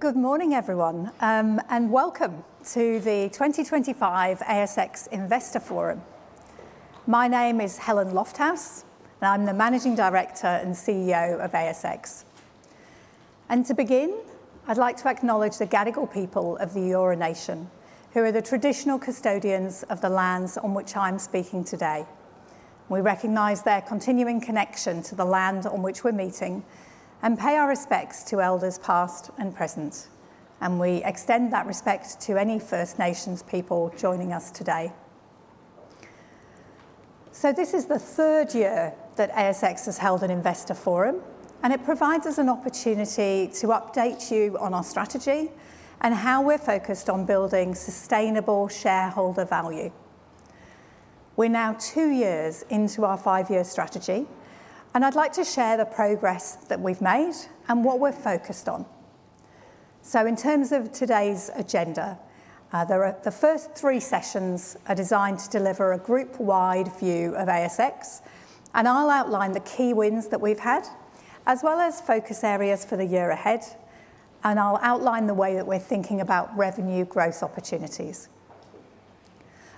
Good morning, everyone, and welcome to the 2025 ASX Investor Forum. My name is Helen Lofthouse, and I'm the Managing Director and CEO of ASX. To begin, I'd like to acknowledge the Gadigal people of the Eora Nation, who are the traditional custodians of the lands on which I'm speaking today. We recognize their continuing connection to the land on which we're meeting and pay our respects to elders past and present. We extend that respect to any First Nations people joining us today. This is the third year that ASX has held an Investor Forum, and it provides us an opportunity to update you on our strategy and how we're focused on building sustainable shareholder value. We're now two years into our five-year strategy, and I'd like to share the progress that we've made and what we're focused on. In terms of today's agenda, the first three sessions are designed to deliver a group-wide view of ASX, and I'll outline the key wins that we've had, as well as focus areas for the year ahead. I'll outline the way that we're thinking about revenue growth opportunities.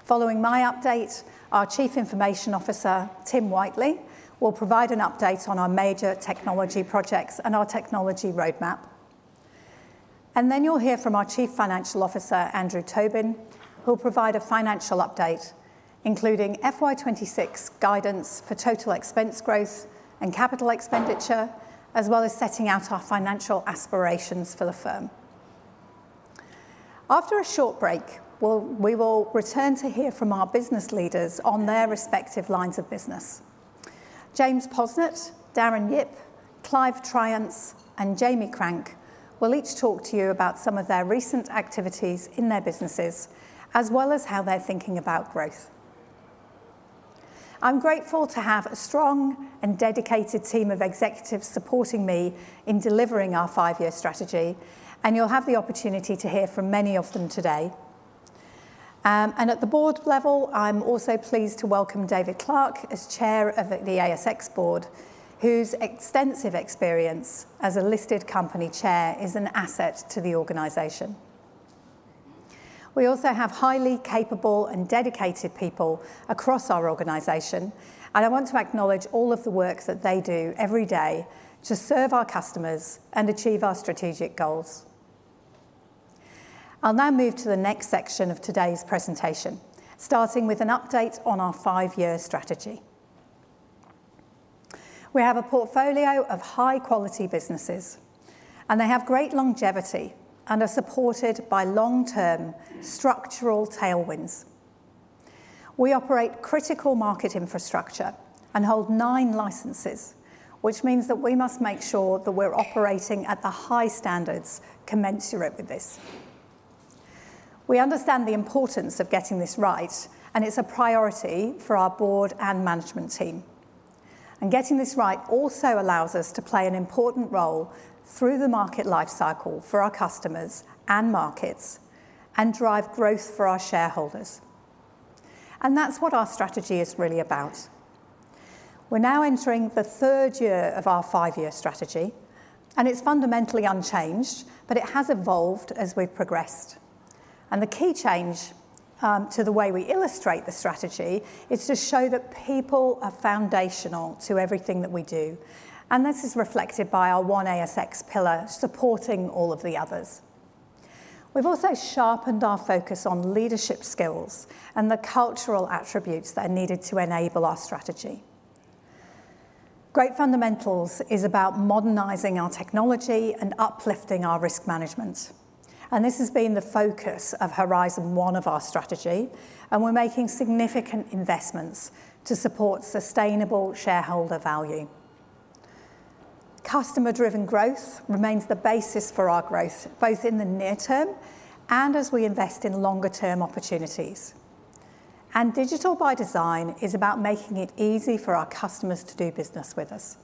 Following my update, our Chief Information Officer, Tim Whiteley, will provide an update on our major technology projects and our technology roadmap. Then you'll hear from our Chief Financial Officer, Andrew Tobin, who'll provide a financial update, including FY26 guidance for total expense growth and capital expenditure, as well as setting out our financial aspirations for the firm. After a short break, we will return to hear from our business leaders on their respective lines of business. James Posnett, Darren Yip, Clive Triance, and Jamie Crank will each talk to you about some of their recent activities in their businesses, as well as how they're thinking about growth. I'm grateful to have a strong and dedicated team of executives supporting me in delivering our five-year strategy, and you'll have the opportunity to hear from many of them today. At the board level, I'm also pleased to welcome David Clarke as Chair of the ASX Board, whose extensive experience as a listed company chair is an asset to the organization. We also have highly capable and dedicated people across our organization, and I want to acknowledge all of the work that they do every day to serve our customers and achieve our strategic goals. I'll now move to the next section of today's presentation, starting with an update on our five-year strategy. We have a portfolio of high-quality businesses, and they have great longevity and are supported by long-term structural tailwinds. We operate critical market infrastructure and hold nine licenses, which means that we must make sure that we're operating at the high standards commensurate with this. We understand the importance of getting this right, and it's a priority for our Board and management team. Getting this right also allows us to play an important role through the market life cycle for our customers and markets and drive growth for our shareholders. That is what our strategy is really about. We are now entering the third year of our five-year strategy, and it's fundamentally unchanged, but it has evolved as we've progressed. The key change to the way we illustrate the strategy is to show that people are foundational to everything that we do, and this is reflected by our one ASX pillar supporting all of the others. We have also sharpened our focus on leadership skills and the cultural attributes that are needed to enable our strategy. Great Fundamentals is about modernizing our technology and uplifting our risk management. This has been the focus of Horizon One of our strategy, and we are making significant investments to support sustainable shareholder value. Customer-driven growth remains the basis for our growth, both in the near term and as we invest in longer-term opportunities. Digital by design is about making it easy for our customers to do business with us.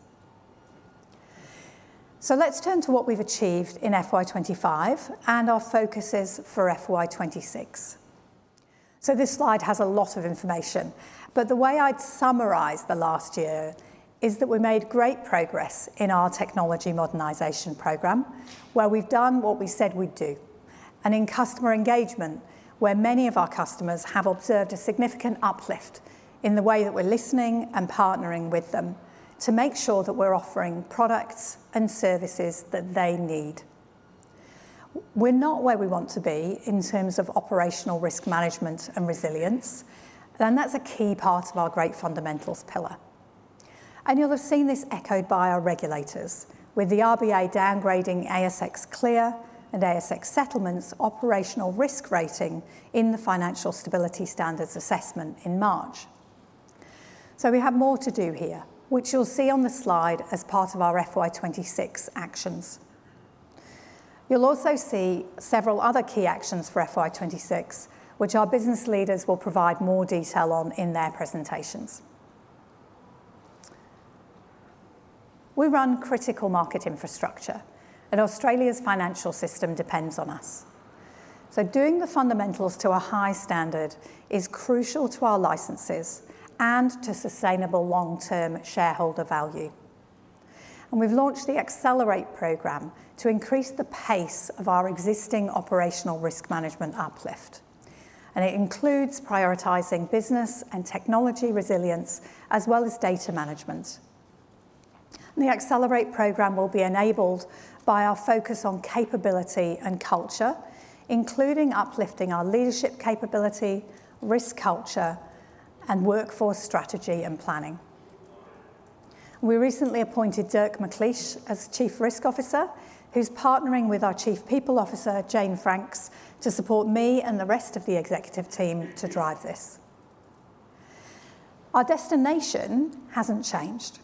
Let us turn to what we have achieved in FY2025 and our focuses for FY2026. This slide has a lot of information, but the way I'd summarize the last year is that we made great progress in our technology modernization program, where we've done what we said we'd do. In customer engagement, many of our customers have observed a significant uplift in the way that we're listening and partnering with them to make sure that we're offering products and services that they need. We're not where we want to be in terms of operational risk management and resilience, and that's a key part of our Great Fundamentals pillar. You'll have seen this echoed by our regulators, with the RBA downgrading ASX Clear and ASX Settlement's operational risk rating in the financial stability standards assessment in March. We have more to do here, which you'll see on the slide as part of our FY26 actions. You'll also see several other key actions for FY26, which our business leaders will provide more detail on in their presentations. We run critical market infrastructure, and Australia's financial system depends on us. Doing the fundamentals to a high standard is crucial to our licenses and to sustainable long-term shareholder value. We have launched the Accelerate program to increase the pace of our existing operational risk management uplift. It includes prioritizing business and technology resilience, as well as data management. The Accelerate program will be enabled by our focus on capability and culture, including uplifting our leadership capability, risk culture, and workforce strategy and planning. We recently appointed Dirk McLeish as Chief Risk Officer, who is partnering with our Chief People Officer, Jane Franks, to support me and the rest of the executive team to drive this. Our destination hasn't changed.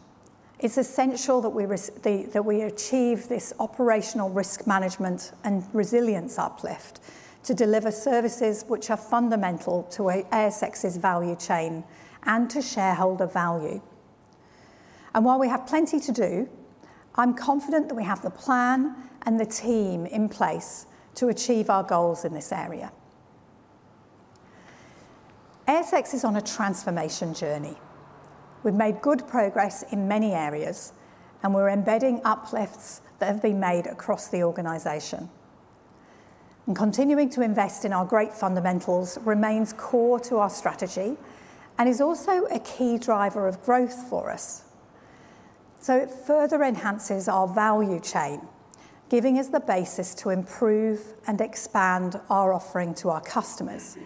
It's essential that we achieve this operational risk management and resilience uplift to deliver services which are fundamental to ASX's value chain and to shareholder value. While we have plenty to do, I'm confident that we have the plan and the team in place to achieve our goals in this area. ASX is on a transformation journey. We've made good progress in many areas, and we're embedding uplifts that have been made across the organization. Continuing to invest in our Great Fundamentals remains core to our strategy and is also a key driver of growth for us. It further enhances our value chain, giving us the basis to improve and expand our offering to our customers.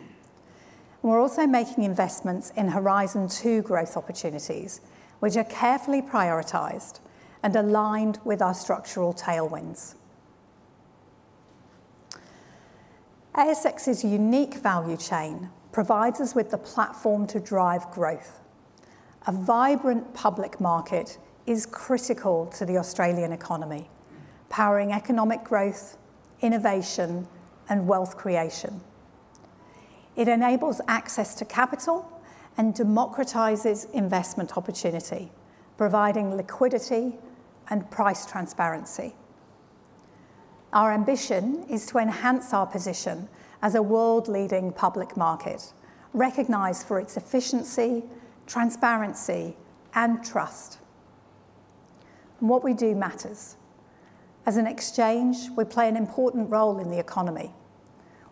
We're also making investments in Horizon Two growth opportunities, which are carefully prioritized and aligned with our structural tailwinds. ASX's unique value chain provides us with the platform to drive growth. A vibrant public market is critical to the Australian economy, powering economic growth, innovation, and wealth creation. It enables access to capital and democratizes investment opportunity, providing liquidity and price transparency. Our ambition is to enhance our position as a world-leading public market, recognized for its efficiency, transparency, and trust. What we do matters. As an exchange, we play an important role in the economy.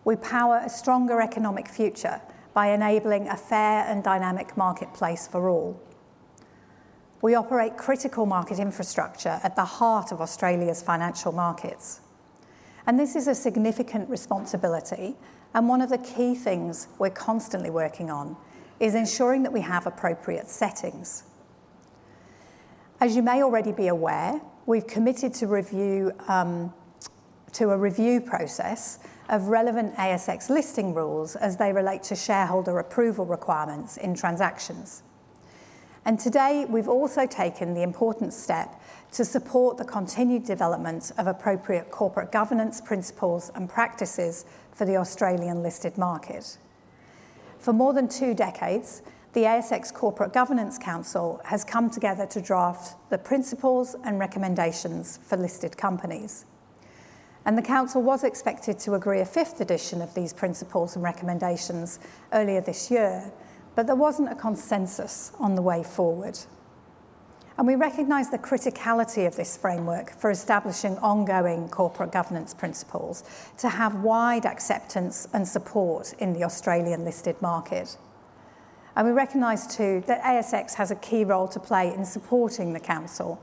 We power a stronger economic future by enabling a fair and dynamic marketplace for all. We operate critical market infrastructure at the heart of Australia's financial markets. This is a significant responsibility, and one of the key things we're constantly working on is ensuring that we have appropriate settings. As you may already be aware, we've committed to a review process of relevant ASX listing rules as they relate to shareholder approval requirements in transactions. Today, we've also taken the important step to support the continued development of appropriate corporate governance principles and practices for the Australian listed market. For more than two decades, the ASX Corporate Governance Council has come together to draft the principles and recommendations for listed companies. The Council was expected to agree on a fifth edition of these principles and recommendations earlier this year, but there was not a consensus on the way forward. We recognize the criticality of this framework for establishing ongoing corporate governance principles to have wide acceptance and support in the Australian listed market. We recognize, too, that ASX has a key role to play in supporting the Council,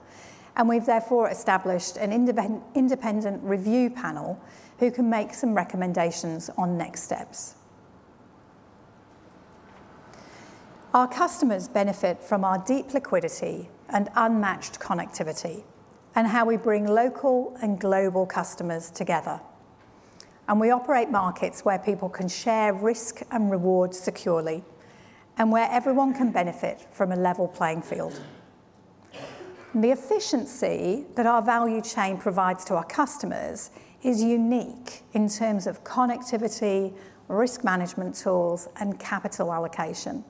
and we've therefore established an independent review panel who can make some recommendations on next steps. Our customers benefit from our deep liquidity and unmatched connectivity, and how we bring local and global customers together. We operate markets where people can share risk and reward securely, and where everyone can benefit from a level playing field. The efficiency that our value chain provides to our customers is unique in terms of connectivity, risk management tools, and capital allocation.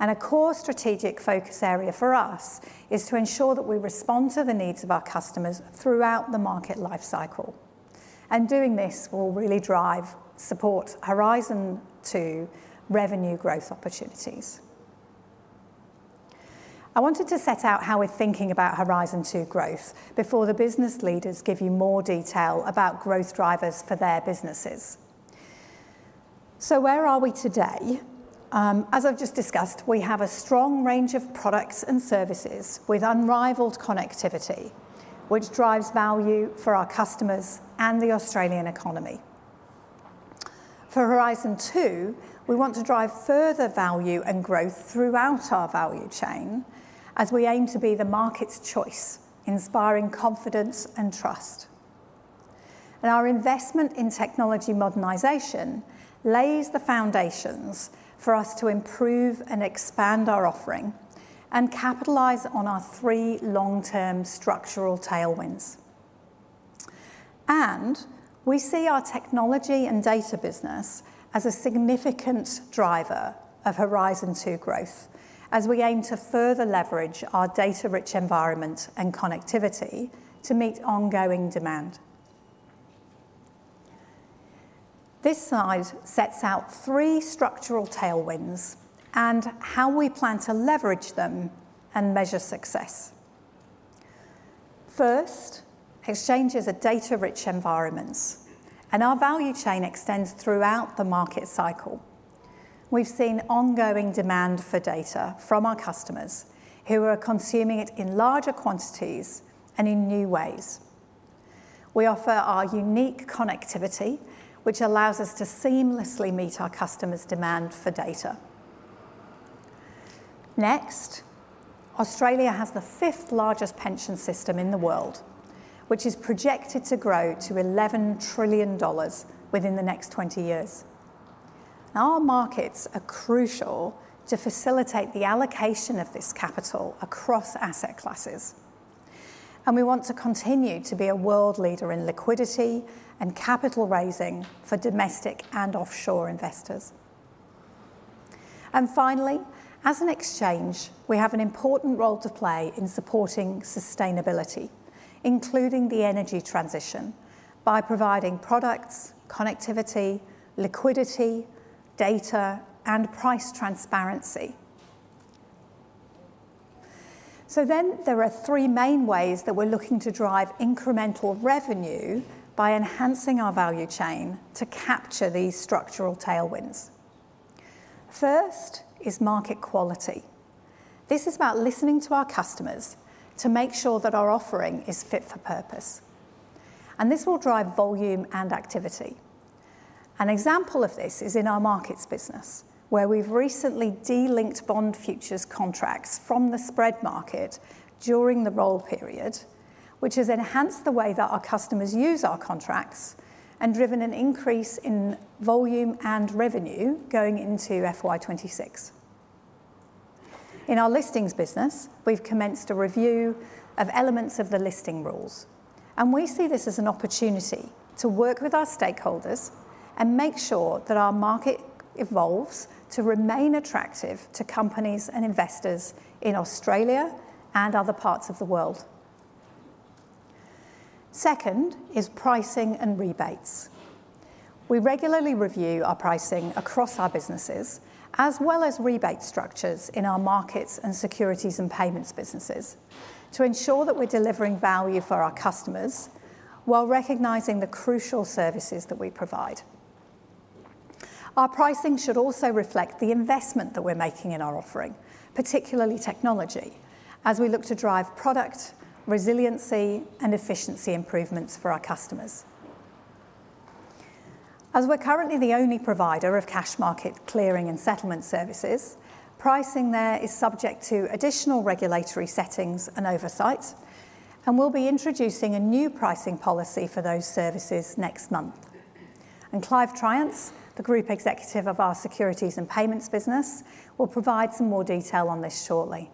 A core strategic focus area for us is to ensure that we respond to the needs of our customers throughout the market life cycle. Doing this will really drive support Horizon Two revenue growth opportunities. I wanted to set out how we're thinking about Horizon Two growth before the business leaders give you more detail about growth drivers for their businesses. Where are we today? As I've just discussed, we have a strong range of products and services with unrivaled connectivity, which drives value for our customers and the Australian economy. For Horizon Two, we want to drive further value and growth throughout our value chain, as we aim to be the market's choice, inspiring confidence and trust. Our investment in technology modernization lays the foundations for us to improve and expand our offering and capitalize on our three long-term structural tailwinds. We see our technology and data business as a significant driver of Horizon Two growth, as we aim to further leverage our data-rich environment and connectivity to meet ongoing demand. This slide sets out three structural tailwinds and how we plan to leverage them and measure success. First, exchanges are data-rich environments, and our value chain extends throughout the market cycle. We've seen ongoing demand for data from our customers, who are consuming it in larger quantities and in new ways. We offer our unique connectivity, which allows us to seamlessly meet our customers' demand for data. Australia has the fifth largest pension system in the world, which is projected to grow to 11 trillion dollars within the next 20 years. Our markets are crucial to facilitate the allocation of this capital across asset classes. We want to continue to be a world leader in liquidity and capital raising for domestic and offshore investors. Finally, as an exchange, we have an important role to play in supporting sustainability, including the energy transition, by providing products, connectivity, liquidity, data, and price transparency. There are three main ways that we're looking to drive incremental revenue by enhancing our value chain to capture these structural tailwinds. First is market quality. This is about listening to our customers to make sure that our offering is fit for purpose. This will drive volume and activity. An example of this is in our markets business, where we've recently delinked bond futures contracts from the spread market during the roll period, which has enhanced the way that our customers use our contracts and driven an increase in volume and revenue going into FY2026. In our listings business, we've commenced a review of elements of the listing rules. We see this as an opportunity to work with our stakeholders and make sure that our market evolves to remain attractive to companies and investors in Australia and other parts of the world. Second is pricing and rebates. We regularly review our pricing across our businesses, as well as rebate structures in our markets and securities and payments businesses, to ensure that we're delivering value for our customers while recognizing the crucial services that we provide. Our pricing should also reflect the investment that we're making in our offering, particularly technology, as we look to drive product resiliency and efficiency improvements for our customers. As we're currently the only provider of cash market clearing and settlement services, pricing there is subject to additional regulatory settings and oversight, and we will be introducing a new pricing policy for those services next month. Clive Triance, the Group Executive of our Securities and Payments business, will provide some more detail on this shortly.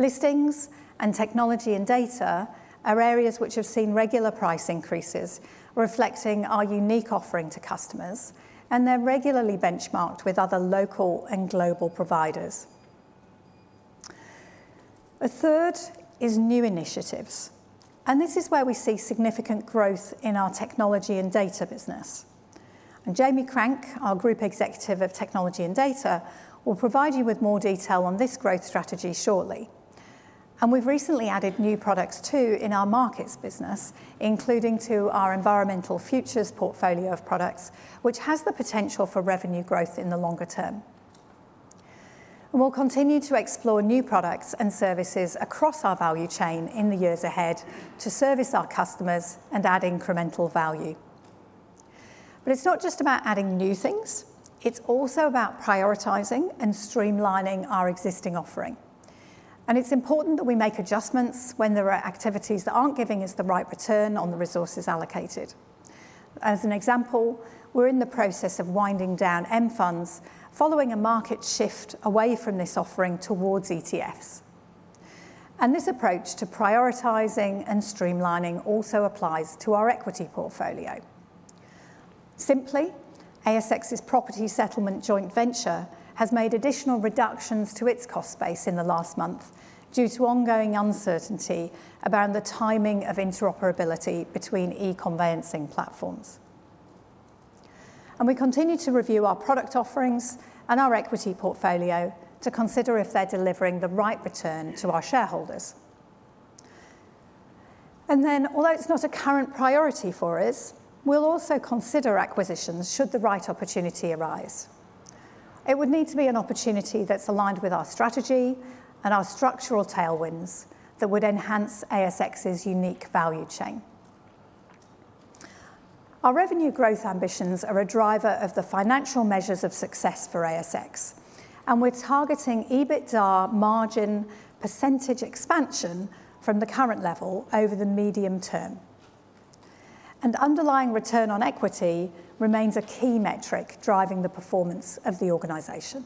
Listings and technology and data are areas which have seen regular price increases, reflecting our unique offering to customers, and they are regularly benchmarked with other local and global providers. A third is new initiatives. This is where we see significant growth in our technology and data business. Jamie Crank, our Group Executive of Technology and Data, will provide you with more detail on this growth strategy shortly. We have recently added new products too in our markets business, including to our environmental futures portfolio of products, which has the potential for revenue growth in the longer term. We will continue to explore new products and services across our value chain in the years ahead to service our customers and add incremental value. It is not just about adding new things. It is also about prioritizing and streamlining our existing offering. It is important that we make adjustments when there are activities that are not giving us the right return on the resources allocated. As an example, we are in the process of winding down M funds following a market shift away from this offering towards ETFs. This approach to prioritizing and streamlining also applies to our equity portfolio. Simply, ASX's Property Settlement Joint Venture has made additional reductions to its cost base in the last month due to ongoing uncertainty around the timing of interoperability between e-conveyancing platforms. We continue to review our product offerings and our equity portfolio to consider if they are delivering the right return to our shareholders. Although it is not a current priority for us, we will also consider acquisitions should the right opportunity arise. It would need to be an opportunity that's aligned with our strategy and our structural tailwinds that would enhance ASX's unique value chain. Our revenue growth ambitions are a driver of the financial measures of success for ASX, and we're targeting EBITDA margin % expansion from the current level over the medium term. Underlying return on equity remains a key metric driving the performance of the organization.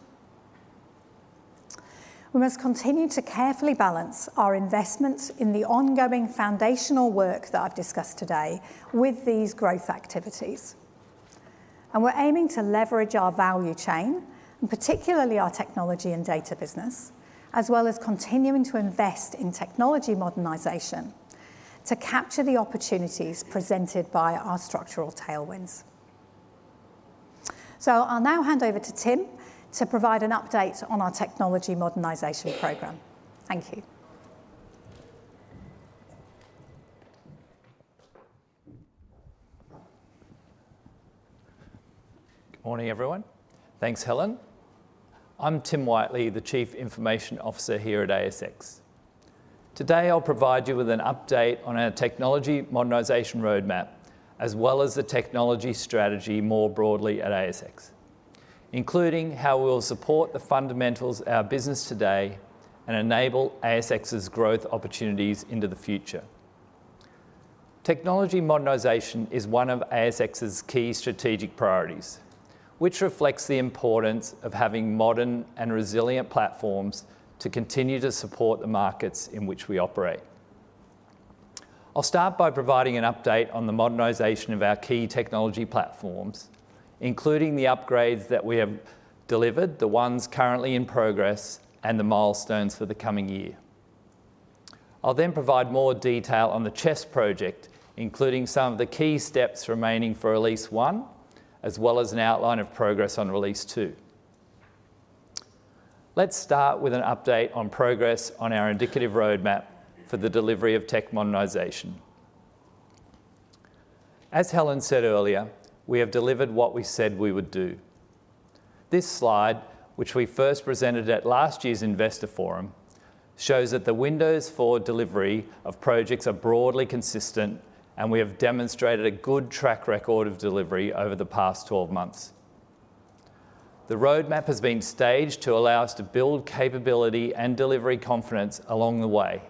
We must continue to carefully balance our investment in the ongoing foundational work that I've discussed today with these growth activities. We're aiming to leverage our value chain, and particularly our technology and data business, as well as continuing to invest in technology modernization to capture the opportunities presented by our structural tailwinds. I'll now hand over to Tim to provide an update on our technology modernization program. Thank you. Good morning, everyone. Thanks, Helen. I'm Tim Whiteley, the Chief Information Officer here at ASX. Today, I'll provide you with an update on our technology modernisation roadmap, as well as the technology strategy more broadly at ASX, including how we'll support the fundamentals of our business today and enable ASX's growth opportunities into the future. Technology modernisation is one of ASX's key strategic priorities, which reflects the importance of having modern and resilient platforms to continue to support the markets in which we operate. I'll start by providing an update on the modernisation of our key technology platforms, including the upgrades that we have delivered, the ones currently in progress, and the milestones for the coming year. I'll then provide more detail on the CHESS project, including some of the key steps remaining for release one, as well as an outline of progress on release two. Let's start with an update on progress on our indicative roadmap for the delivery of tech modernisation. As Helen said earlier, we have delivered what we said we would do. This slide, which we first presented at last year's investor forum, shows that the windows for delivery of projects are broadly consistent, and we have demonstrated a good track record of delivery over the past 12 months. The roadmap has been staged to allow us to build capability and delivery confidence along the way,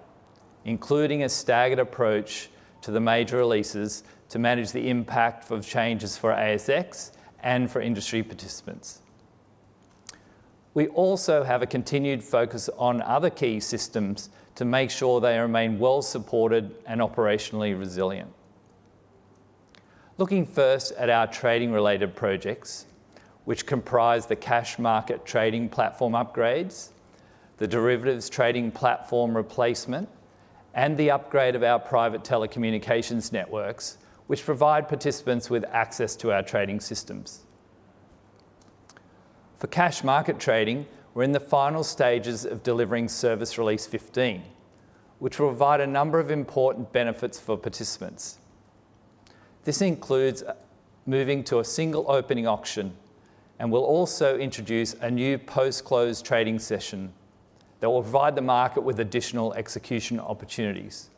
including a staggered approach to the major releases to manage the impact of changes for ASX and for industry participants. We also have a continued focus on other key systems to make sure they remain well supported and operationally resilient. Looking first at our trading-related projects, which comprise the cash market trading platform upgrades, the derivatives trading platform replacement, and the upgrade of our private telecommunications networks, which provide participants with access to our trading systems. For cash market trading, we're in the final stages of delivering Service Release 15, which will provide a number of important benefits for participants. This includes moving to a single opening auction and will also introduce a new post-close trading session that will provide the market with additional execution opportunities.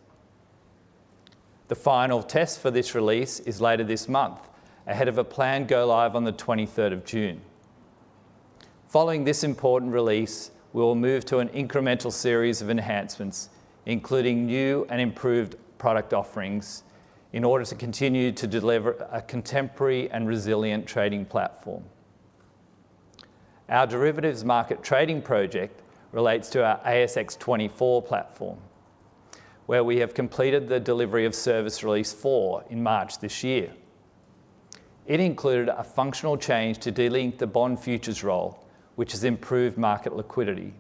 The final test for this release is later this month, ahead of a planned go-live on the 23rd of June. Following this important release, we will move to an incremental series of enhancements, including new and improved product offerings, in order to continue to deliver a contemporary and resilient trading platform. Our derivatives market trading project relates to our ASX 24 platform, where we have completed the delivery of Service Release 4 in March this year. It included a functional change to delink the Bond Futures roll, which has improved market liquidity.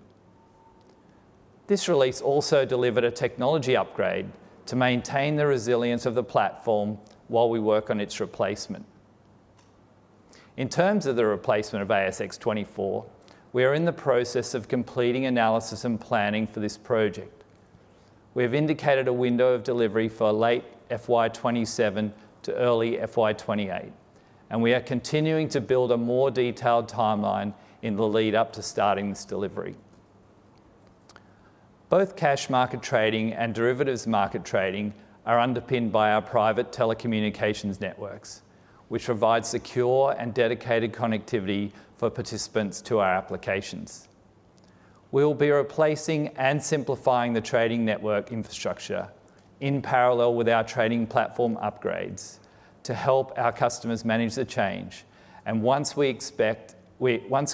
This release also delivered a technology upgrade to maintain the resilience of the platform while we work on its replacement. In terms of the replacement of ASX 24, we are in the process of completing analysis and planning for this project. We have indicated a window of delivery for late FY27 to early FY28, and we are continuing to build a more detailed timeline in the lead-up to starting this delivery. Both cash market trading and derivatives market trading are underpinned by our private telecommunications networks, which provide secure and dedicated connectivity for participants to our applications. We will be replacing and simplifying the trading network infrastructure in parallel with our trading platform upgrades to help our customers manage the change. Once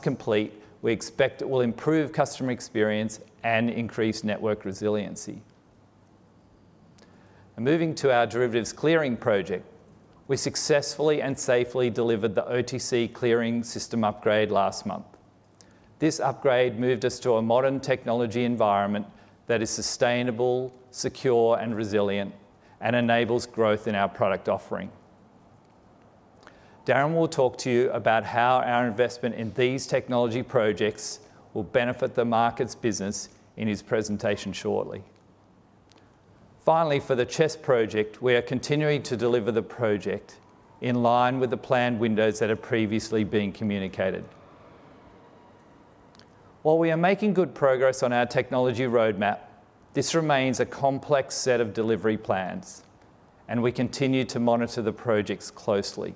complete, we expect it will improve customer experience and increase network resiliency. Moving to our derivatives clearing project, we successfully and safely delivered the OTC clearing system upgrade last month. This upgrade moved us to a modern technology environment that is sustainable, secure, and resilient, and enables growth in our product offering. Darren will talk to you about how our investment in these technology projects will benefit the markets business in his presentation shortly. Finally, for the CHESS project, we are continuing to deliver the project in line with the planned windows that have previously been communicated. While we are making good progress on our technology roadmap, this remains a complex set of delivery plans, and we continue to monitor the projects closely.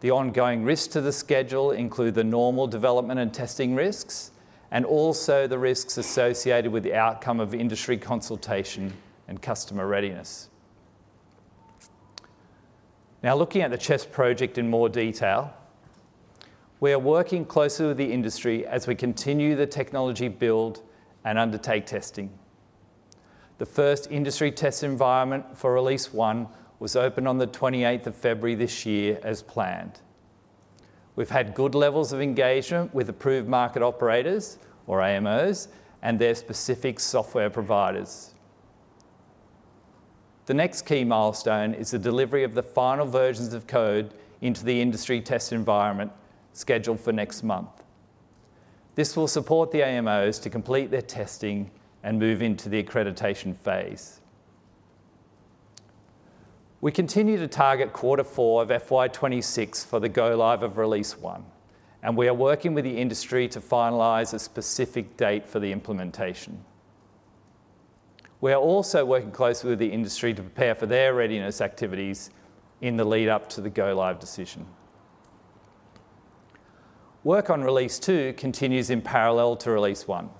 The ongoing risks to the schedule include the normal development and testing risks, and also the risks associated with the outcome of industry consultation and customer readiness. Now, looking at the CHESS project in more detail, we are working closely with the industry as we continue the technology build and undertake testing. The first industry test environment for release one was opened on the 28th of February this year as planned. We've had good levels of engagement with approved market operators, or AMOs, and their specific software providers. The next key milestone is the delivery of the final versions of code into the industry test environment scheduled for next month. This will support the AMOs to complete their testing and move into the accreditation phase. We continue to target quarter four of FY26 for the go-live of release one, and we are working with the industry to finalize a specific date for the implementation. We are also working closely with the industry to prepare for their readiness activities in the lead-up to the go-live decision. Work on release two continues in parallel to release one.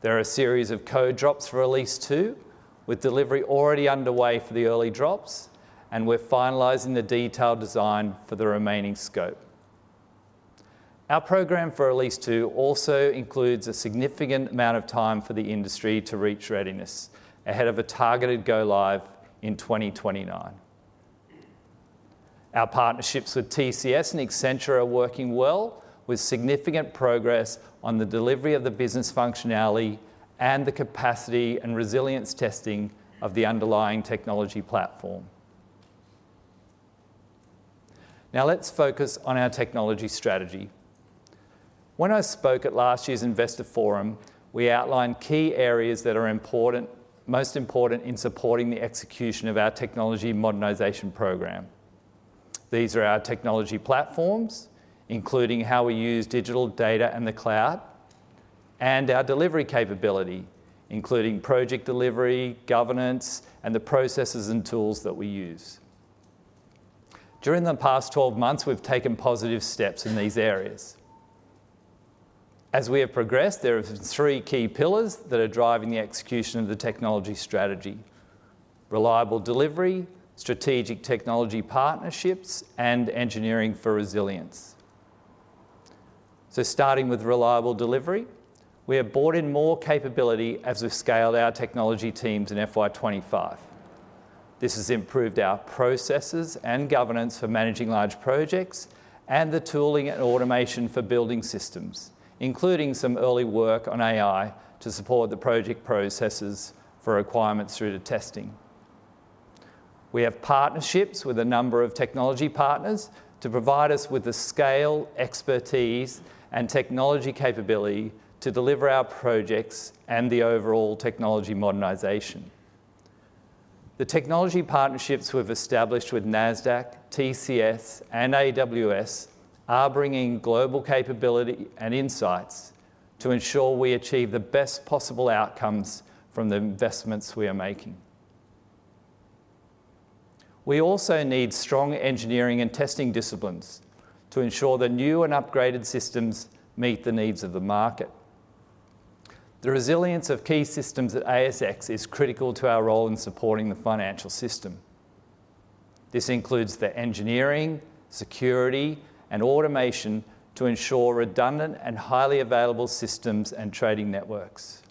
There are a series of code drops for release two, with delivery already underway for the early drops, and we're finalizing the detailed design for the remaining scope. Our program for release two also includes a significant amount of time for the industry to reach readiness ahead of a targeted go-live in 2029. Our partnerships with TCS and Accenture are working well, with significant progress on the delivery of the business functionality and the capacity and resilience testing of the underlying technology platform. Now, let's focus on our technology strategy. When I spoke at last year's investor forum, we outlined key areas that are important, most important in supporting the execution of our technology modernization program. These are our technology platforms, including how we use digital data and the cloud, and our delivery capability, including project delivery, governance, and the processes and tools that we use. During the past 12 months, we've taken positive steps in these areas. As we have progressed, there are three key pillars that are driving the execution of the technology strategy: reliable delivery, strategic technology partnerships, and engineering for resilience. Starting with reliable delivery, we have brought in more capability as we've scaled our technology teams in FY25. This has improved our processes and governance for managing large projects and the tooling and automation for building systems, including some early work on AI to support the project processes for requirements through to testing. We have partnerships with a number of technology partners to provide us with the scale, expertise, and technology capability to deliver our projects and the overall technology modernization. The technology partnerships we've established with NASDAQ, TCS, and AWS are bringing global capability and insights to ensure we achieve the best possible outcomes from the investments we are making. We also need strong engineering and testing disciplines to ensure the new and upgraded systems meet the needs of the market. The resilience of key systems at ASX is critical to our role in supporting the financial system. This includes the engineering, security, and automation to ensure redundant and highly available systems and trading networks.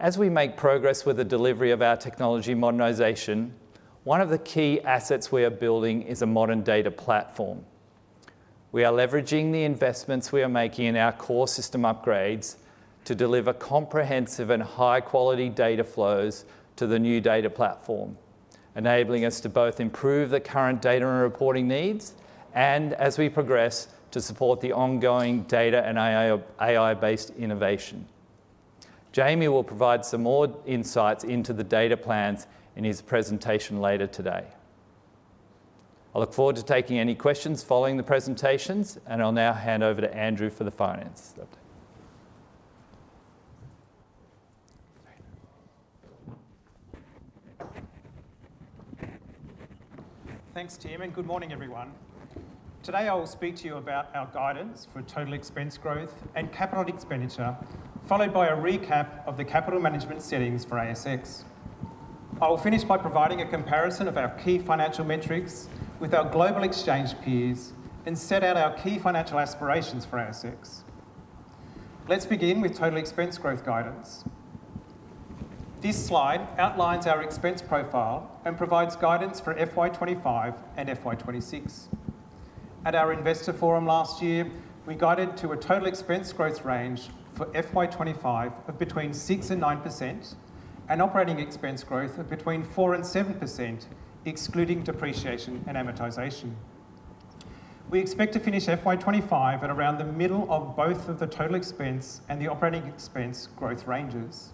As we make progress with the delivery of our technology modernization, one of the key assets we are building is a modern data platform. We are leveraging the investments we are making in our core system upgrades to deliver comprehensive and high-quality data flows to the new data platform, enabling us to both improve the current data and reporting needs and, as we progress, to support the ongoing data and AI-based innovation. Jamie will provide some more insights into the data plans in his presentation later today. I look forward to taking any questions following the presentations, and I'll now hand over to Andrew for the finance. Thanks, Tim, and good morning, everyone. Today, I will speak to you about our guidance for total expense growth and capital expenditure, followed by a recap of the capital management settings for ASX. I will finish by providing a comparison of our key financial metrics with our global exchange peers and set out our key financial aspirations for ASX. Let's begin with total expense growth guidance. This slide outlines our expense profile and provides guidance for FY25 and FY26. At our investor forum last year, we guided to a total expense growth range for FY25 of between 6% and 9% and operating expense growth of between 4% and 7%, excluding depreciation and amortization. We expect to finish FY25 at around the middle of both of the total expense and the operating expense growth ranges.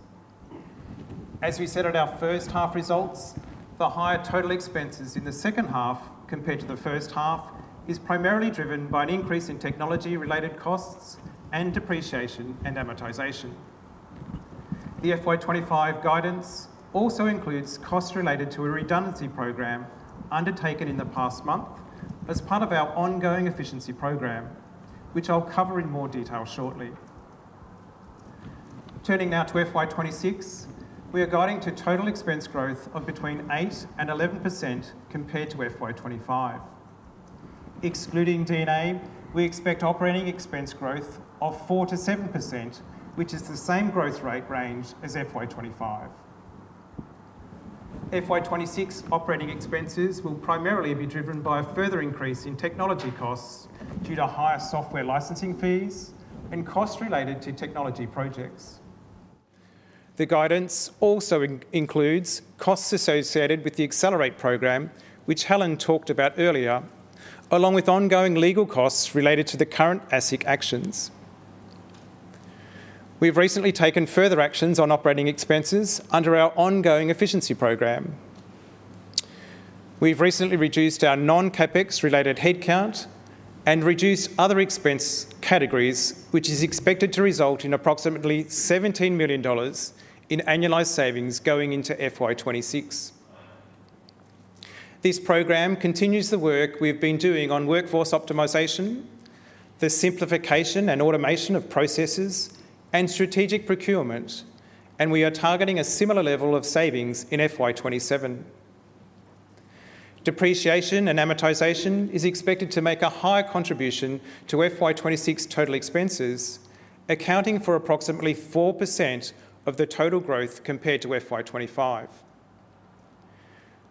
As we set out our first half results, the higher total expenses in the second half compared to the first half is primarily driven by an increase in technology-related costs and depreciation and amortization. The FY25 guidance also includes costs related to a redundancy program undertaken in the past month as part of our ongoing efficiency program, which I'll cover in more detail shortly. Turning now to FY26, we are guiding to total expense growth of between 8% and 11% compared to FY25. Excluding D&A, we expect operating expense growth of 4%-7%, which is the same growth rate range as FY25. FY26 operating expenses will primarily be driven by a further increase in technology costs due to higher software licensing fees and costs related to technology projects. The guidance also includes costs associated with the Accelerate program, which Helen talked about earlier, along with ongoing legal costs related to the current ASIC actions. We've recently taken further actions on operating expenses under our ongoing efficiency program. We've recently reduced our non-CapEx-related headcount and reduced other expense categories, which is expected to result in approximately 17 million dollars in annualized savings going into FY26. This program continues the work we've been doing on workforce optimization, the simplification and automation of processes, and strategic procurement, and we are targeting a similar level of savings in FY27. Depreciation and amortization is expected to make a higher contribution to FY26 total expenses, accounting for approximately 4% of the total growth compared to FY25.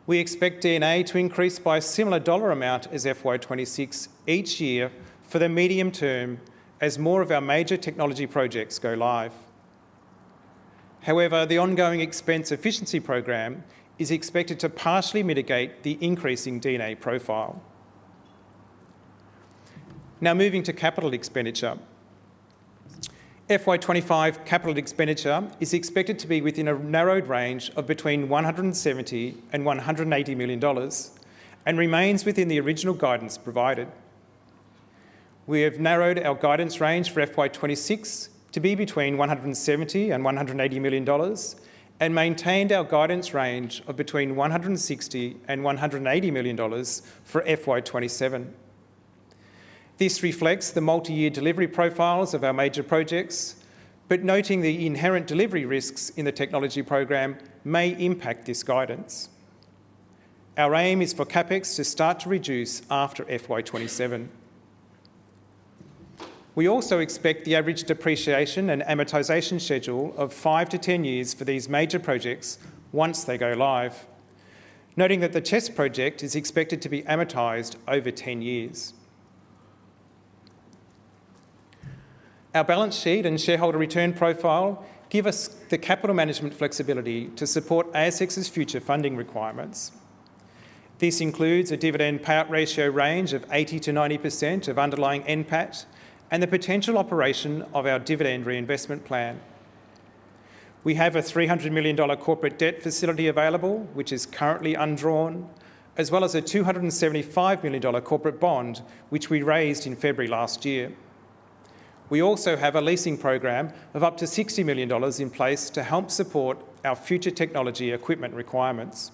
We expect D&A to increase by a similar dollar amount as FY26 each year for the medium term as more of our major technology projects go live. However, the ongoing expense efficiency program is expected to partially mitigate the increasing D&A profile. Now, moving to capital expenditure, FY25 capital expenditure is expected to be within a narrowed range of between 170 million and 180 million dollars and remains within the original guidance provided. We have narrowed our guidance range for FY26 to be between 170 million and 180 million dollars and maintained our guidance range of between 160 million and 180 million dollars for FY27. This reflects the multi-year delivery profiles of our major projects, but noting the inherent delivery risks in the technology program may impact this guidance. Our aim is for CapEx to start to reduce after FY27. We also expect the average depreciation and amortization schedule of 5-10 years for these major projects once they go live, noting that the CHESS project is expected to be amortized over 10 years. Our balance sheet and shareholder return profile give us the capital management flexibility to support ASX's future funding requirements. This includes a dividend payout ratio range of 80%-90% of underlying NPAT and the potential operation of our dividend reinvestment plan. We have an 300 million dollar corporate debt facility available, which is currently undrawn, as well as an 275 million dollar corporate bond, which we raised in February last year. We also have a leasing program of up to 60 million dollars in place to help support our future technology equipment requirements.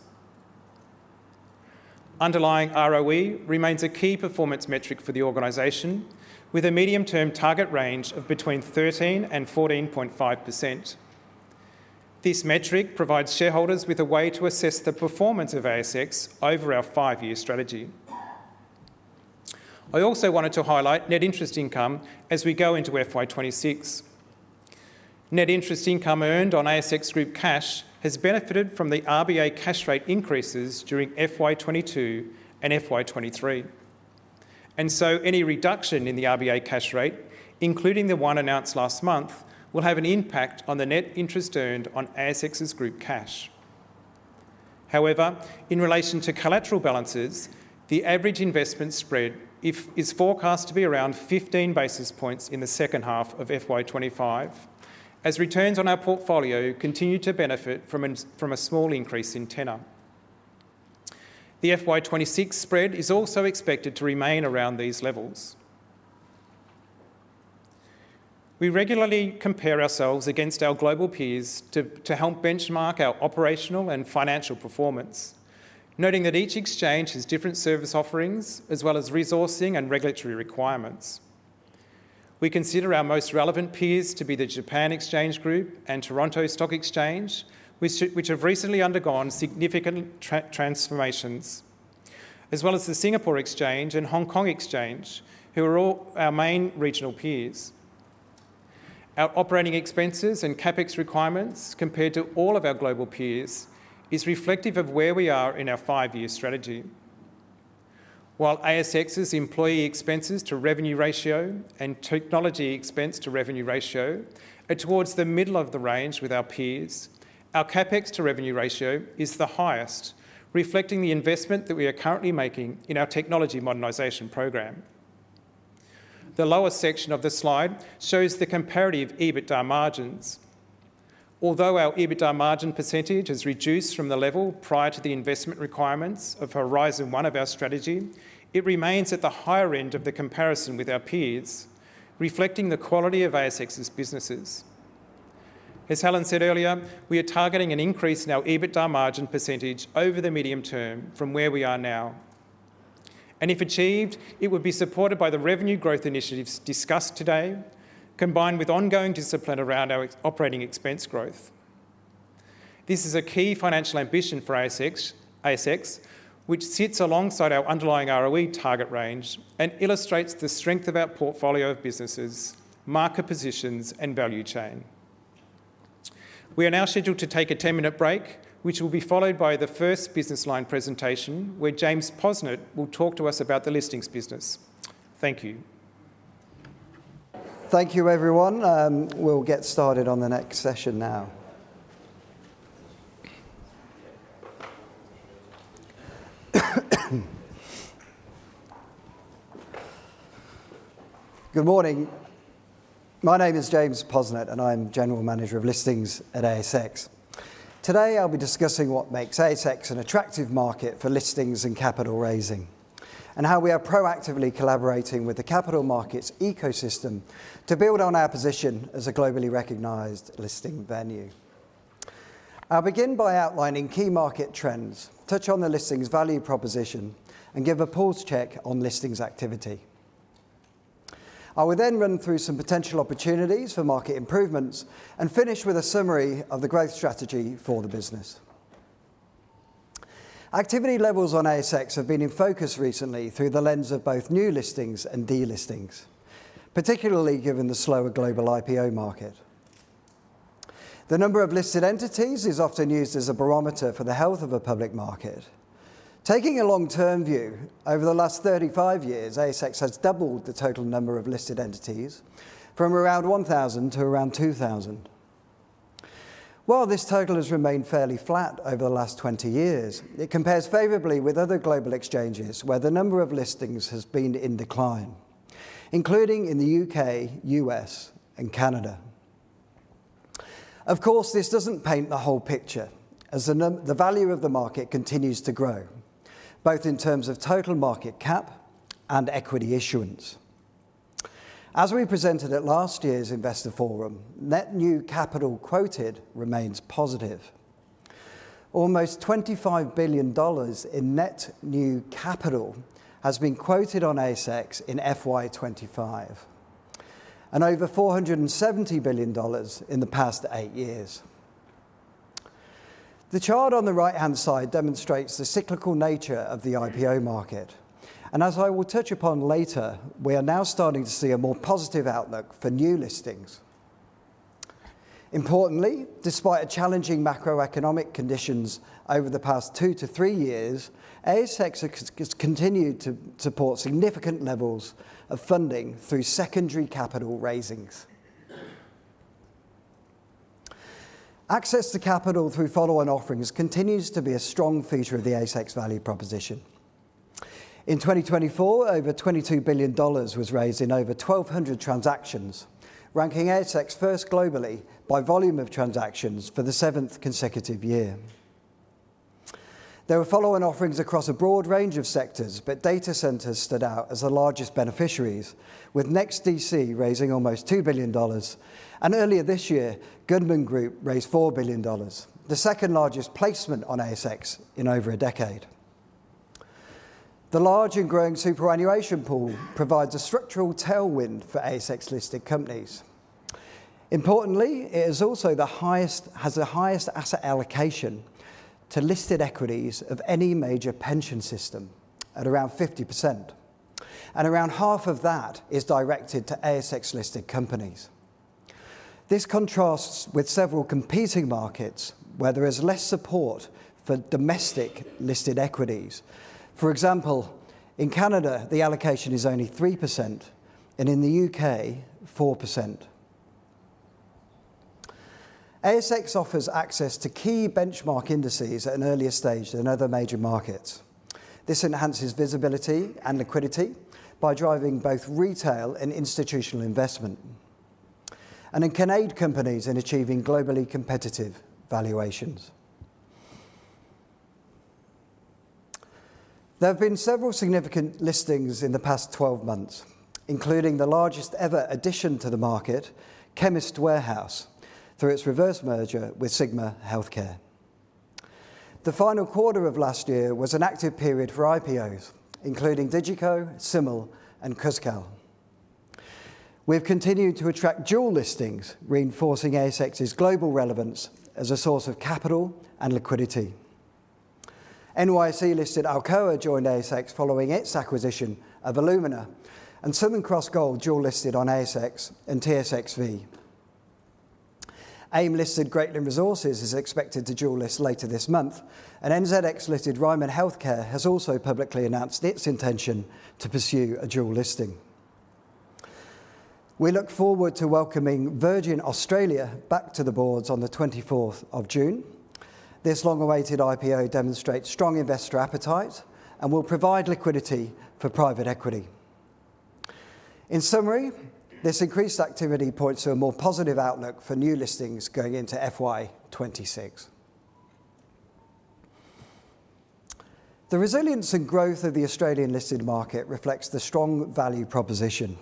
Underlying ROE remains a key performance metric for the organization, with a medium-term target range of between 13%-14.5%. This metric provides shareholders with a way to assess the performance of ASX over our five-year strategy. I also wanted to highlight net interest income as we go into FY26. Net interest income earned on ASX group cash has benefited from the RBA cash rate increases during FY 2022 and FY 2023. Any reduction in the RBA cash rate, including the one announced last month, will have an impact on the net interest earned on ASX's group cash. However, in relation to collateral balances, the average investment spread is forecast to be around 15 basis points in the second half of FY 2025, as returns on our portfolio continue to benefit from a small increase in tenor. The FY 2026 spread is also expected to remain around these levels. We regularly compare ourselves against our global peers to help benchmark our operational and financial performance, noting that each exchange has different service offerings as well as resourcing and regulatory requirements. We consider our most relevant peers to be the Japan Exchange Group and Toronto Stock Exchange, which have recently undergone significant transformations, as well as the Singapore Exchange and Hong Kong Exchange, who are all our main regional peers. Our operating expenses and Capex requirements compared to all of our global peers are reflective of where we are in our five-year strategy. While ASX's employee expenses to revenue ratio and technology expense to revenue ratio are towards the middle of the range with our peers, our Capex to revenue ratio is the highest, reflecting the investment that we are currently making in our technology modernization program. The lower section of the slide shows the comparative EBITDA margins. Although our EBITDA margin % has reduced from the level prior to the investment requirements of Horizon One of our strategy, it remains at the higher end of the comparison with our peers, reflecting the quality of ASX's businesses. As Helen said earlier, we are targeting an increase in our EBITDA margin % over the medium term from where we are now. If achieved, it would be supported by the revenue growth initiatives discussed today, combined with ongoing discipline around our operating expense growth. This is a key financial ambition for ASX, which sits alongside our underlying ROE target range and illustrates the strength of our portfolio of businesses, market positions, and value chain. We are now scheduled to take a 10-minute break, which will be followed by the first business line presentation where James Posnett will talk to us about the listings business. Thank you. Thank you, everyone. We'll get started on the next session now. Good morning. My name is James Posnett, and I'm General Manager of Listings at ASX. Today, I'll be discussing what makes ASX an attractive market for listings and capital raising, and how we are proactively collaborating with the capital markets ecosystem to build on our position as a globally recognised listing venue. I'll begin by outlining key market trends, touch on the listings' value proposition, and give a pause check on listings activity. I will then run through some potential opportunities for market improvements and finish with a summary of the growth strategy for the business. Activity levels on ASX have been in focus recently through the lens of both new listings and delistings, particularly given the slower global IPO market. The number of listed entities is often used as a barometer for the health of a public market. Taking a long-term view, over the last 35 years, ASX has doubled the total number of listed entities from around 1,000 to around 2,000. While this total has remained fairly flat over the last 20 years, it compares favorably with other global exchanges where the number of listings has been in decline, including in the U.K., U.S., and Canada. Of course, this does not paint the whole picture, as the value of the market continues to grow, both in terms of total market cap and equity issuance. As we presented at last year's investor forum, net new capital quoted remains positive. Almost 25 billion dollars in net new capital has been quoted on ASX in FY25, and over 470 billion dollars in the past eight years. The chart on the right-hand side demonstrates the cyclical nature of the IPO market, and as I will touch upon later, we are now starting to see a more positive outlook for new listings. Importantly, despite challenging macroeconomic conditions over the past two to three years, ASX has continued to support significant levels of funding through secondary capital raisings. Access to capital through follow-on offerings continues to be a strong feature of the ASX value proposition. In 2024, over 22 billion dollars was raised in over 1,200 transactions, ranking ASX first globally by volume of transactions for the seventh consecutive year. There were follow-on offerings across a broad range of sectors, but data centres stood out as the largest beneficiaries, with NextDC raising almost 2 billion dollars, and earlier this year, Goodman Group raised 4 billion dollars, the second largest placement on ASX in over a decade. The large and growing superannuation pool provides a structural tailwind for ASX-listed companies. Importantly, it also has the highest asset allocation to listed equities of any major pension system, at around 50%, and around half of that is directed to ASX-listed companies. This contrasts with several competing markets where there is less support for domestic listed equities. For example, in Canada, the allocation is only 3%, and in the U.K., 4%. ASX offers access to key benchmark indices at an earlier stage than other major markets. This enhances visibility and liquidity by driving both retail and institutional investment, and it can aid companies in achieving globally competitive valuations. There have been several significant listings in the past 12 months, including the largest-ever addition to the market, Chemist Warehouse, through its reverse merger with Sigma Healthcare. The final quarter of last year was an active period for IPOs, including Digico, Simmel, and Kuzcal. We've continued to attract dual listings, reinforcing ASX's global relevance as a source of capital and liquidity. NYSE-listed Alcoa joined ASX following its acquisition of Illumina, and Simmel Cross Gold dual-listed on ASX and TSXV. AIM-listed Greatland Resources is expected to dual-list later this month, and NZX-listed Ryman Healthcare has also publicly announced its intention to pursue a dual listing. We look forward to welcoming Virgin Australia back to the boards on the 24th of June. This long-awaited IPO demonstrates strong investor appetite and will provide liquidity for private equity. In summary, this increased activity points to a more positive outlook for new listings going into FY26. The resilience and growth of the Australian listed market reflects the strong value proposition,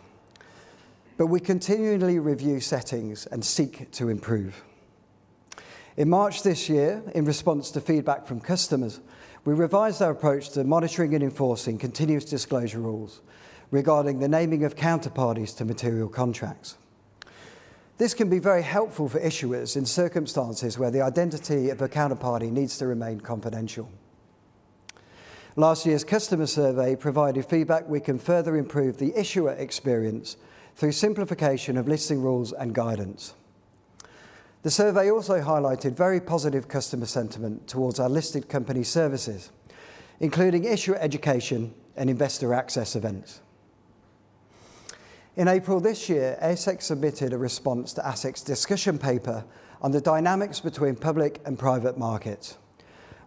but we continually review settings and seek to improve. In March this year, in response to feedback from customers, we revised our approach to monitoring and enforcing continuous disclosure rules regarding the naming of counterparties to material contracts. This can be very helpful for issuers in circumstances where the identity of a counterparty needs to remain confidential. Last year's customer survey provided feedback we can further improve the issuer experience through simplification of listing rules and guidance. The survey also highlighted very positive customer sentiment towards our listed company services, including issuer education and investor access events. In April this year, ASX submitted a response to ASX discussion paper on the dynamics between public and private markets,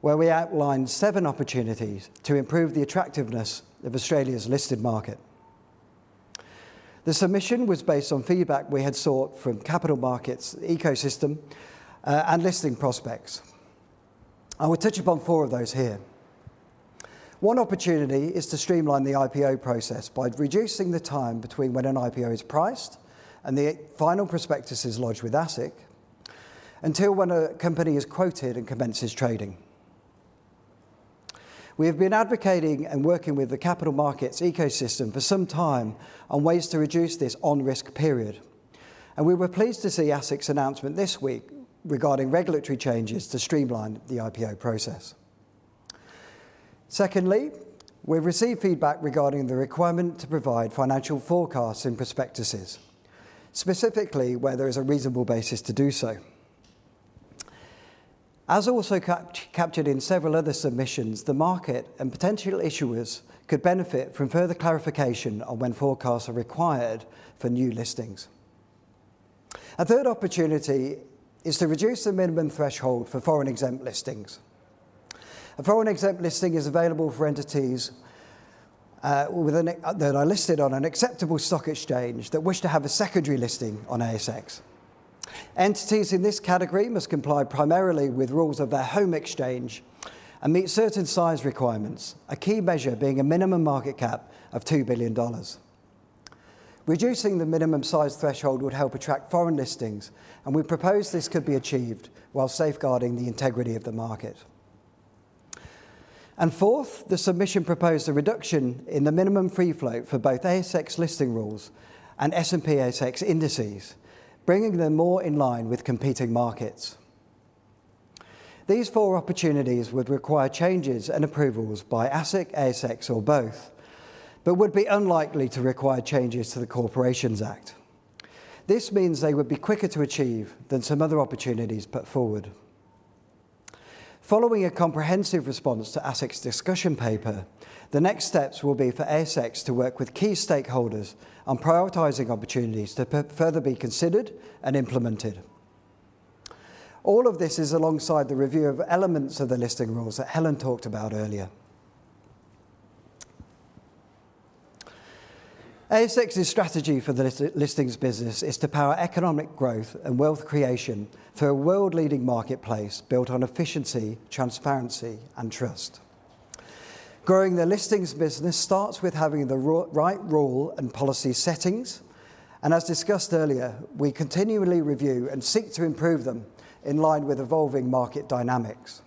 where we outlined seven opportunities to improve the attractiveness of Australia's listed market. The submission was based on feedback we had sought from capital markets, ecosystem, and listing prospects. I will touch upon four of those here. One opportunity is to streamline the IPO process by reducing the time between when an IPO is priced and the final prospectus is lodged with ASIC until when a company is quoted and commences trading. We have been advocating and working with the capital markets ecosystem for some time on ways to reduce this on-risk period, and we were pleased to see ASIC's announcement this week regarding regulatory changes to streamline the IPO process. Secondly, we've received feedback regarding the requirement to provide financial forecasts and prospectuses, specifically whether there is a reasonable basis to do so. As also captured in several other submissions, the market and potential issuers could benefit from further clarification on when forecasts are required for new listings. A third opportunity is to reduce the minimum threshold for foreign-exempt listings. A foreign-exempt listing is available for entities that are listed on an acceptable stock exchange that wish to have a secondary listing on ASX. Entities in this category must comply primarily with rules of their home exchange and meet certain size requirements, a key measure being a minimum market cap of 2 billion dollars. Reducing the minimum size threshold would help attract foreign listings, and we propose this could be achieved while safeguarding the integrity of the market. Fourth, the submission proposed a reduction in the minimum free float for both ASX listing rules and S&P ASX indices, bringing them more in line with competing markets. These four opportunities would require changes and approvals by ASIC, ASX, or both, but would be unlikely to require changes to the Corporations Act. This means they would be quicker to achieve than some other opportunities put forward. Following a comprehensive response to ASIC's discussion paper, the next steps will be for ASX to work with key stakeholders on prioritizing opportunities to further be considered and implemented. All of this is alongside the review of elements of the listing rules that Helen talked about earlier. ASX's strategy for the listings business is to power economic growth and wealth creation through a world-leading marketplace built on efficiency, transparency, and trust. Growing the listings business starts with having the right rule and policy settings, and as discussed earlier, we continually review and seek to improve them in line with evolving market dynamics.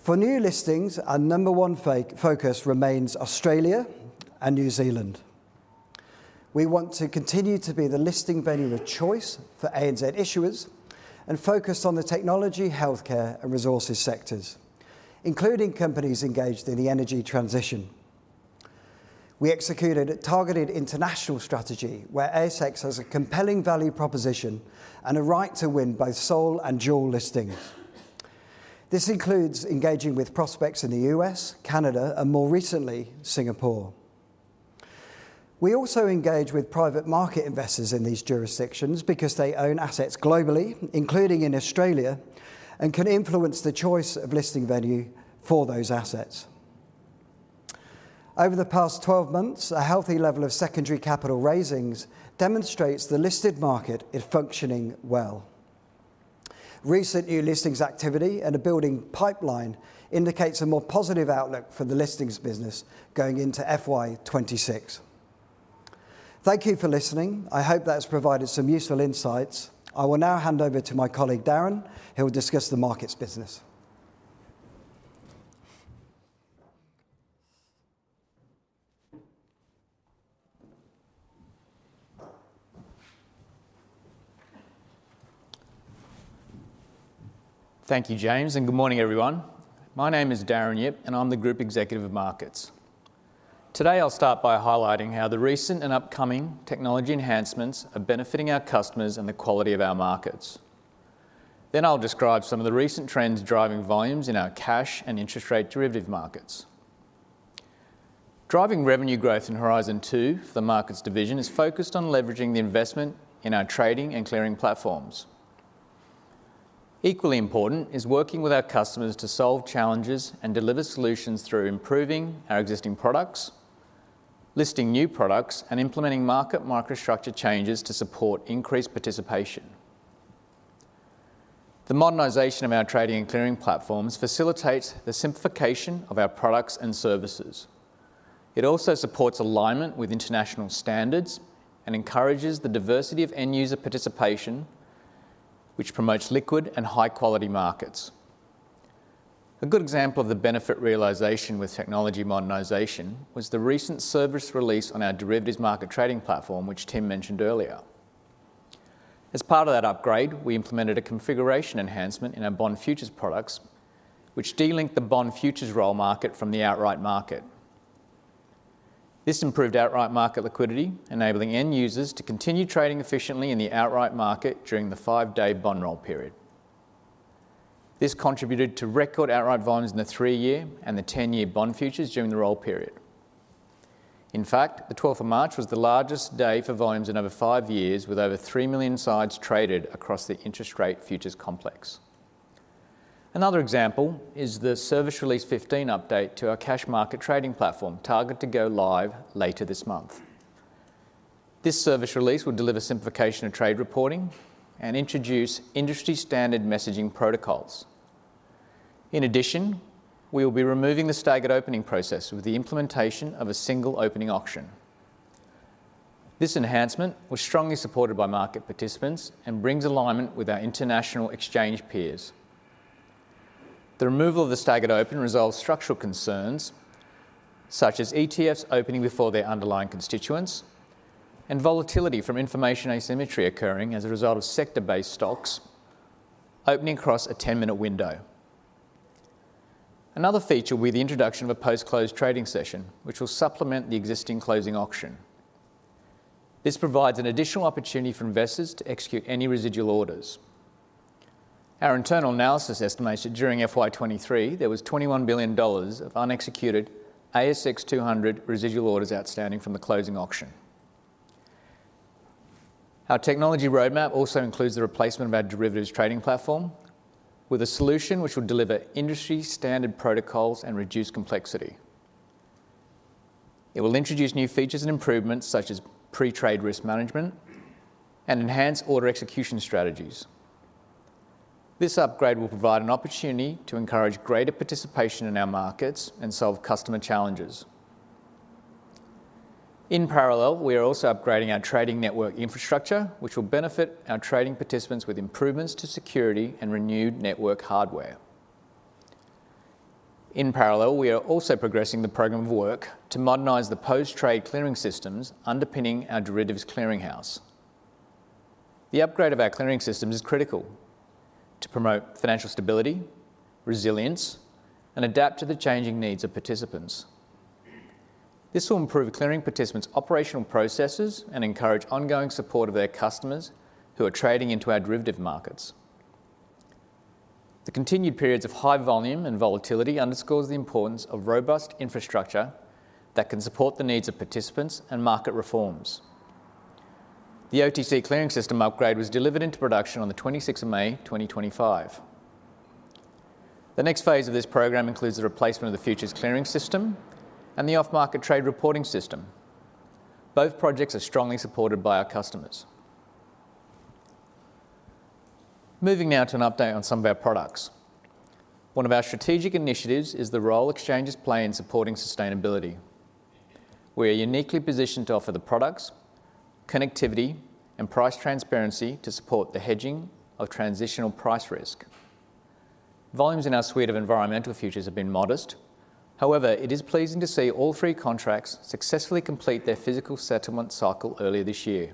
For new listings, our number one focus remains Australia and New Zealand. We want to continue to be the listing venue of choice for ANZ issuers and focus on the technology, healthcare, and resources sectors, including companies engaged in the energy transition. We executed a targeted international strategy where ASX has a compelling value proposition and a right to win both sole and dual listings. This includes engaging with prospects in the U.S., Canada, and more recently, Singapore. We also engage with private market investors in these jurisdictions because they own assets globally, including in Australia, and can influence the choice of listing venue for those assets. Over the past 12 months, a healthy level of secondary capital raisings demonstrates the listed market is functioning well. Recent new listings activity and a building pipeline indicates a more positive outlook for the listings business going into FY2026. Thank you for listening. I hope that has provided some useful insights. I will now hand over to my colleague, Darren, who will discuss the markets business. Thank you, James, and good morning, everyone. My name is Darren Yip, and I'm the Group Executive of Markets. Today, I'll start by highlighting how the recent and upcoming technology enhancements are benefiting our customers and the quality of our markets. Then I'll describe some of the recent trends driving volumes in our cash and interest rate derivative markets. Driving revenue growth in Horizon 2 for the markets division is focused on leveraging the investment in our trading and clearing platforms. Equally important is working with our customers to solve challenges and deliver solutions through improving our existing products, listing new products, and implementing market microstructure changes to support increased participation. The modernisation of our trading and clearing platforms facilitates the simplification of our products and services. It also supports alignment with international standards and encourages the diversity of end-user participation, which promotes liquid and high-quality markets. A good example of the benefit realisation with technology modernisation was the recent service release on our derivatives market trading platform, which Tim mentioned earlier. As part of that upgrade, we implemented a configuration enhancement in our bond futures products, which delinked the bond futures roll market from the outright market. This improved outright market liquidity, enabling end users to continue trading efficiently in the outright market during the five-day bond roll period. This contributed to record outright volumes in the three-year and the ten-year bond futures during the roll period. In fact, the 12th of March was the largest day for volumes in over five years, with over 3 million sides traded across the interest rate futures complex. Another example is the Service Release 15 update to our cash market trading platform, targeted to go live later this month. This service release will deliver simplification of trade reporting and introduce industry-standard messaging protocols. In addition, we will be removing the staggered opening process with the implementation of a single opening auction. This enhancement was strongly supported by market participants and brings alignment with our international exchange peers. The removal of the staggered open resolves structural concerns such as ETFs opening before their underlying constituents and volatility from information asymmetry occurring as a result of sector-based stocks opening across a 10-minute window. Another feature will be the introduction of a post-close trading session, which will supplement the existing closing auction. This provides an additional opportunity for investors to execute any residual orders. Our internal analysis estimates that during FY23, there was 21 billion dollars of unexecuted ASX 200 residual orders outstanding from the closing auction. Our technology roadmap also includes the replacement of our derivatives trading platform with a solution which will deliver industry-standard protocols and reduce complexity. It will introduce new features and improvements such as pre-trade risk management and enhance order execution strategies. This upgrade will provide an opportunity to encourage greater participation in our markets and solve customer challenges. In parallel, we are also upgrading our trading network infrastructure, which will benefit our trading participants with improvements to security and renewed network hardware. In parallel, we are also progressing the program of work to modernize the post-trade clearing systems underpinning our derivatives clearing house. The upgrade of our clearing systems is critical to promote financial stability, resilience, and adapt to the changing needs of participants. This will improve clearing participants' operational processes and encourage ongoing support of their customers who are trading into our derivative markets. The continued periods of high volume and volatility underscore the importance of robust infrastructure that can support the needs of participants and market reforms. The OTC clearing system upgrade was delivered into production on the 26th of May 2025. The next phase of this program includes the replacement of the futures clearing system and the off-market trade reporting system. Both projects are strongly supported by our customers. Moving now to an update on some of our products. One of our strategic initiatives is the role exchanges play in supporting sustainability. We are uniquely positioned to offer the products, connectivity, and price transparency to support the hedging of transitional price risk. Volumes in our suite of environmental futures have been modest. However, it is pleasing to see all three contracts successfully complete their physical settlement cycle earlier this year.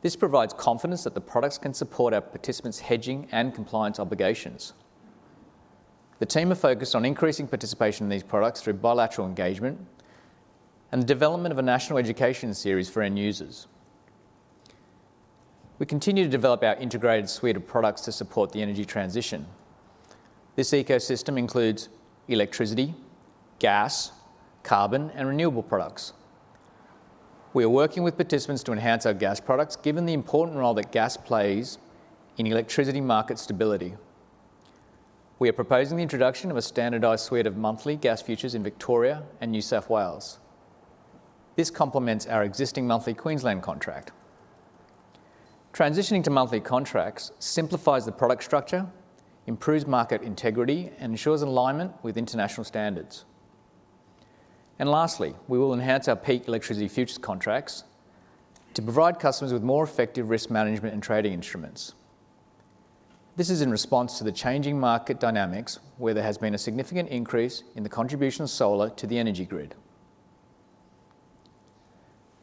This provides confidence that the products can support our participants' hedging and compliance obligations. The team are focused on increasing participation in these products through bilateral engagement and the development of a national education series for end users. We continue to develop our integrated suite of products to support the energy transition. This ecosystem includes electricity, gas, carbon, and renewable products. We are working with participants to enhance our gas products, given the important role that gas plays in electricity market stability. We are proposing the introduction of a standardized suite of monthly gas futures in Victoria and New South Wales. This complements our existing monthly Queensland contract. Transitioning to monthly contracts simplifies the product structure, improves market integrity, and ensures alignment with international standards. Lastly, we will enhance our peak electricity futures contracts to provide customers with more effective risk management and trading instruments. This is in response to the changing market dynamics, where there has been a significant increase in the contribution of solar to the energy grid.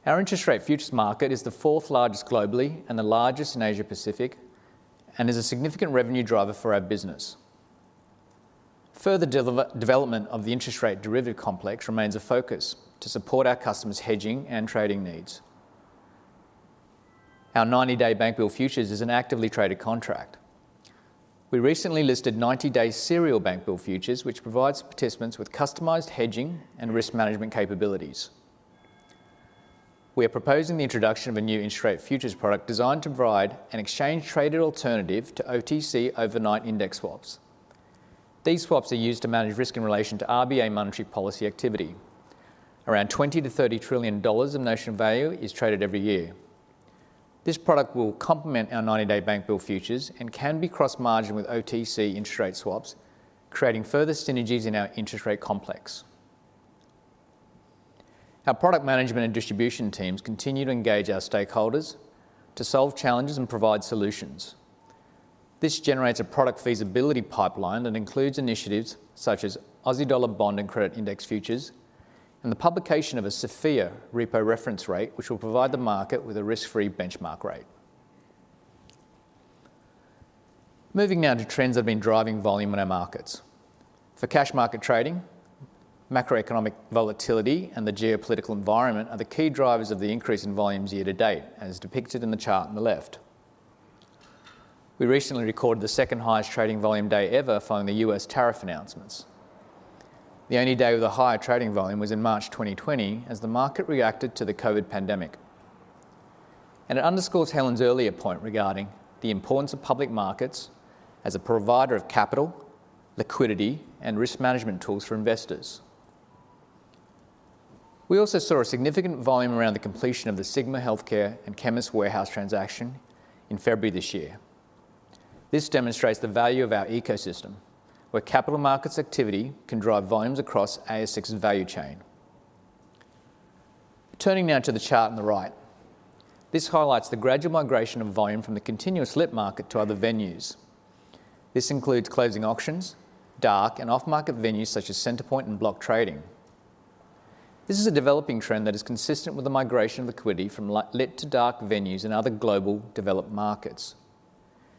Our interest rate futures market is the fourth largest globally and the largest in Asia-Pacific, and is a significant revenue driver for our business. Further development of the interest rate derivative complex remains a focus to support our customers' hedging and trading needs. Our 90-day Bank Bill Futures is an actively traded contract. We recently listed 90-day serial Bank Bill Futures, which provides participants with customised hedging and risk management capabilities. We are proposing the introduction of a new interest rate futures product designed to provide an exchange-traded alternative to OTC Overnight Index Swaps. These swaps are used to manage risk in relation to RBA monetary policy activity. Around $20-30 trillion of notion value is traded every year. This product will complement our 90-day Bank Bill Futures and can be cross-margin with OTC interest rate swaps, creating further synergies in our interest rate complex. Our product management and distribution teams continue to engage our stakeholders to solve challenges and provide solutions. This generates a product feasibility pipeline that includes initiatives such as Aussie Dollar Bond and Credit Index Futures and the publication of a Sophia Repo Reference Rate, which will provide the market with a risk-free benchmark rate. Moving now to trends that have been driving volume in our markets. For cash market trading, macroeconomic volatility and the geopolitical environment are the key drivers of the increase in volumes year to date, as depicted in the chart on the left. We recently recorded the second highest trading volume day ever following the US tariff announcements. The only day with a higher trading volume was in March 2020, as the market reacted to the COVID pandemic. It underscores Helen's earlier point regarding the importance of public markets as a provider of capital, liquidity, and risk management tools for investors. We also saw a significant volume around the completion of the Sigma Healthcare and Chemist Warehouse transaction in February this year. This demonstrates the value of our ecosystem, where capital markets activity can drive volumes across ASX's value chain. Turning now to the chart on the right, this highlights the gradual migration of volume from the continuous lit market to other venues. This includes closing auctions, dark, and off-market venues such as Centrepoint and Block Trading. This is a developing trend that is consistent with the migration of liquidity from lit to dark venues in other global developed markets.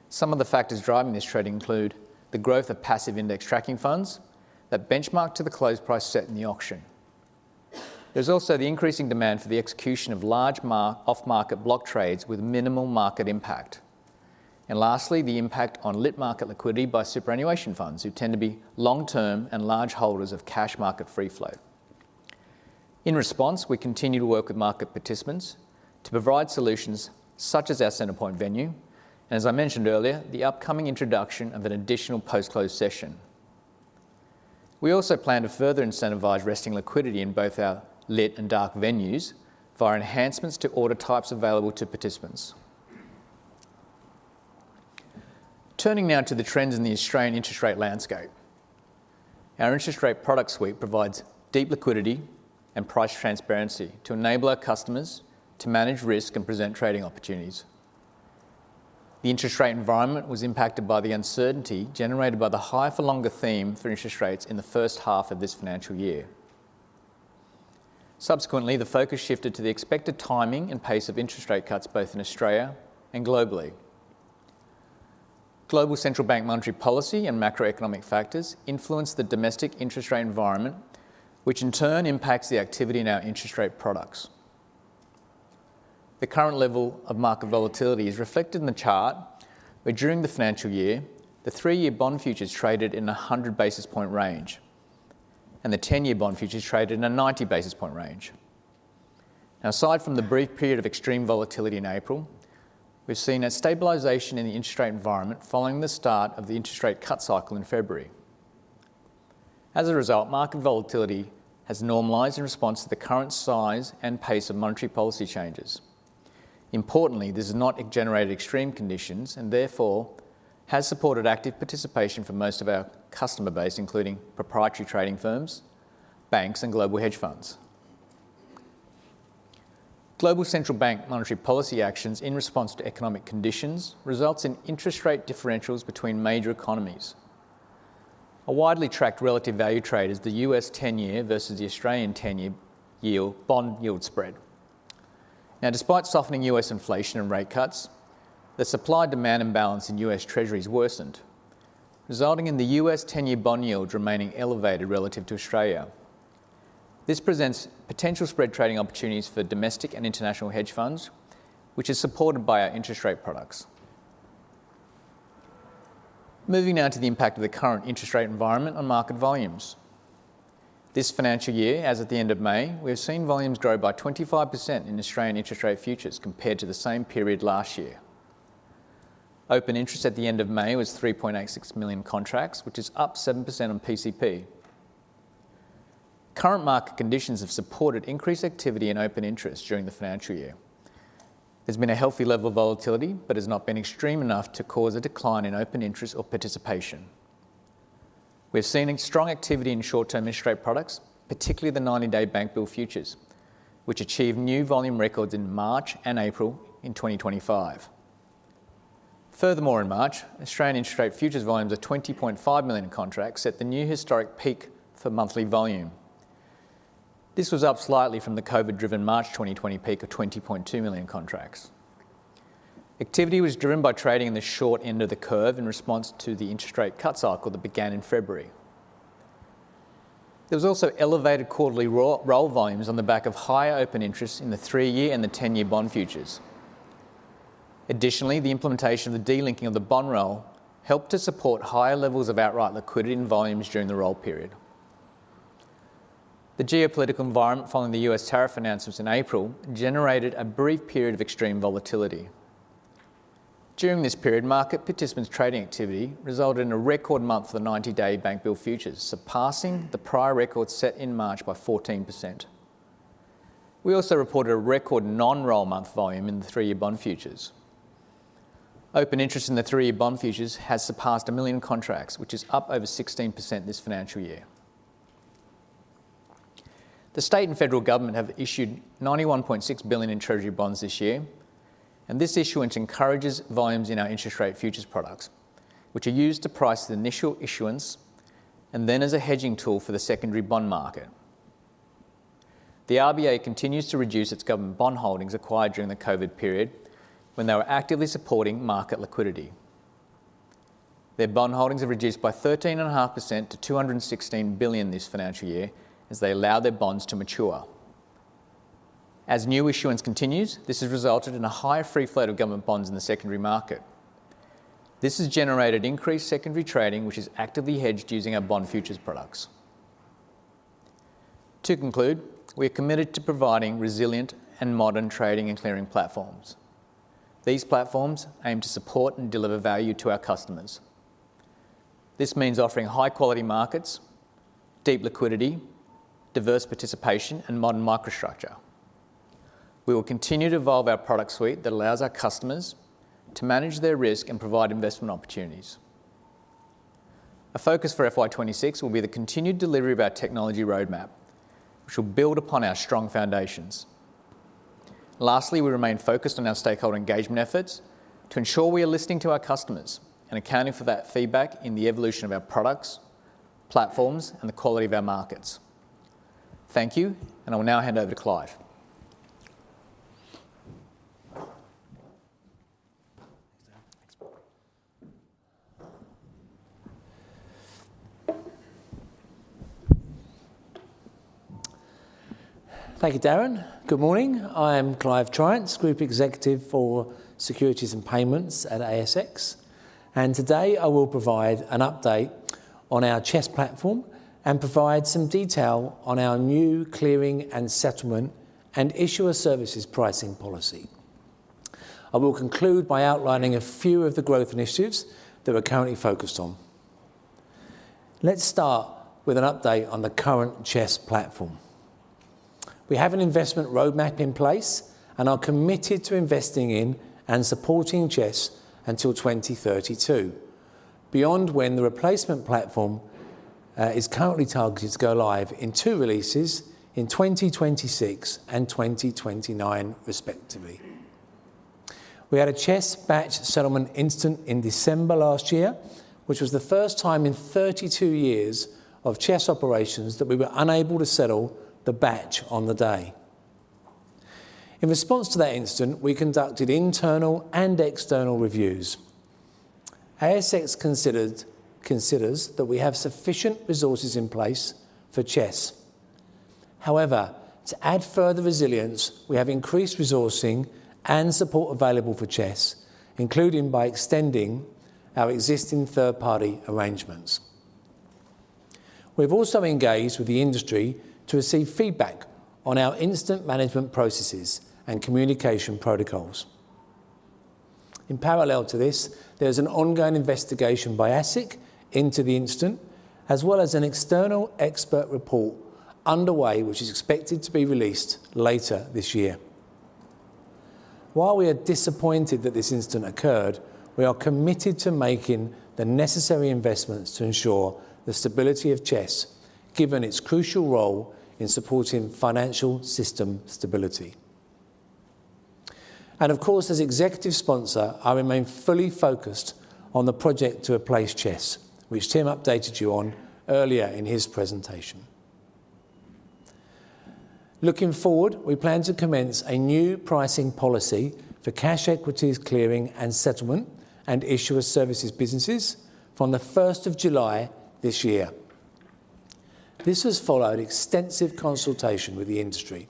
Some of the factors driving this trade include the growth of passive index tracking funds that benchmark to the close price set in the auction. There is also the increasing demand for the execution of large off-market block trades with minimal market impact. Lastly, the impact on lit market liquidity by superannuation funds, who tend to be long-term and large holders of cash market free float. In response, we continue to work with market participants to provide solutions such as our Centrepoint venue, and as I mentioned earlier, the upcoming introduction of an additional post-close session. We also plan to further incentivize resting liquidity in both our lit and dark venues via enhancements to order types available to participants. Turning now to the trends in the Australian interest rate landscape. Our interest rate product suite provides deep liquidity and price transparency to enable our customers to manage risk and present trading opportunities. The interest rate environment was impacted by the uncertainty generated by the high-for-longer theme for interest rates in the first half of this financial year. Subsequently, the focus shifted to the expected timing and pace of interest rate cuts, both in Australia and globally. Global central bank monetary policy and macroeconomic factors influence the domestic interest rate environment, which in turn impacts the activity in our interest rate products. The current level of market volatility is reflected in the chart, where during the financial year, the three-year bond futures traded in a 100 basis point range, and the 10-year bond futures traded in a 90 basis point range. Now, aside from the brief period of extreme volatility in April, we've seen a stabilization in the interest rate environment following the start of the interest rate cut cycle in February. As a result, market volatility has normalized in response to the current size and pace of monetary policy changes. Importantly, this has not generated extreme conditions and therefore has supported active participation for most of our customer base, including proprietary trading firms, banks, and global hedge funds. Global central bank monetary policy actions in response to economic conditions result in interest rate differentials between major economies. A widely tracked relative value trade is the US 10-year versus the Australian 10-year bond yield spread. Now, despite softening US inflation and rate cuts, the supply-demand imbalance in US Treasuries worsened, resulting in the US 10-year bond yield remaining elevated relative to Australia. This presents potential spread trading opportunities for domestic and international hedge funds, which is supported by our interest rate products. Moving now to the impact of the current interest rate environment on market volumes. This financial year, as at the end of May, we have seen volumes grow by 25% in Australian interest rate futures compared to the same period last year. Open interest at the end of May was 3.86 million contracts, which is up 7% on PCP. Current market conditions have supported increased activity in open interest during the financial year. There's been a healthy level of volatility, but it has not been extreme enough to cause a decline in open interest or participation. We have seen strong activity in short-term interest rate products, particularly the 90-day Bank Bill Futures, which achieved new volume records in March and April in 2025. Furthermore, in March, Australian interest rate futures volumes of 20.5 million contracts set the new historic peak for monthly volume. This was up slightly from the COVID-driven March 2020 peak of 20.2 million contracts. Activity was driven by trading in the short end of the curve in response to the interest rate cut cycle that began in February. There was also elevated quarterly roll volumes on the back of higher open interest in the three-year and the 10-year bond futures. Additionally, the implementation of the delinking of the bond roll helped to support higher levels of outright liquidity in volumes during the roll period. The geopolitical environment following the U.S. tariff announcements in April generated a brief period of extreme volatility. During this period, market participants' trading activity resulted in a record month for the 90-day Bank Bill Futures, surpassing the prior record set in March by 14%. We also reported a record non-roll month volume in the three-year bond futures. Open interest in the three-year bond futures has surpassed 1 million contracts, which is up over 16% this financial year. The state and federal government have issued 91.6 billion in Treasury bonds this year, and this issuance encourages volumes in our interest rate futures products, which are used to price the initial issuance and then as a hedging tool for the secondary bond market. The RBA continues to reduce its government bond holdings acquired during the COVID period when they were actively supporting market liquidity. Their bond holdings have reduced by 13.5% to 216 billion this financial year as they allow their bonds to mature. As new issuance continues, this has resulted in a higher free float of government bonds in the secondary market. This has generated increased secondary trading, which is actively hedged using our bond futures products. To conclude, we are committed to providing resilient and modern trading and clearing platforms. These platforms aim to support and deliver value to our customers. This means offering high-quality markets, deep liquidity, diverse participation, and modern microstructure. We will continue to evolve our product suite that allows our customers to manage their risk and provide investment opportunities. A focus for FY26 will be the continued delivery of our technology roadmap, which will build upon our strong foundations. Lastly, we remain focused on our stakeholder engagement efforts to ensure we are listening to our customers and accounting for that feedback in the evolution of our products, platforms, and the quality of our markets. Thank you, and I will now hand over to Clive. Thank you, Darren. Good morning. I am Clive Triance, Group Executive for Securities and Payments at ASX. Today, I will provide an update on our CHESS platform and provide some detail on our new clearing and settlement and issuer services pricing policy. I will conclude by outlining a few of the growth initiatives that we're currently focused on. Let's start with an update on the current CHESS platform. We have an investment roadmap in place and are committed to investing in and supporting CHESS until 2032, beyond when the replacement platform is currently targeted to go live in two releases in 2026 and 2029, respectively. We had a CHESS batch settlement incident in December last year, which was the first time in 32 years of CHESS operations that we were unable to settle the batch on the day. In response to that incident, we conducted internal and external reviews. ASX considers that we have sufficient resources in place for CHESS. However, to add further resilience, we have increased resourcing and support available for CHESS, including by extending our existing third-party arrangements. We have also engaged with the industry to receive feedback on our incident management processes and communication protocols. In parallel to this, there is an ongoing investigation by ASIC into the incident, as well as an external expert report underway, which is expected to be released later this year. While we are disappointed that this incident occurred, we are committed to making the necessary investments to ensure the stability of CHESS, given its crucial role in supporting financial system stability. Of course, as Executive Sponsor, I remain fully focused on the project to replace CHESS, which Tim updated you on earlier in his presentation. Looking forward, we plan to commence a new pricing policy for cash equities clearing and settlement and issuer services businesses from the 1st of July this year. This has followed extensive consultation with the industry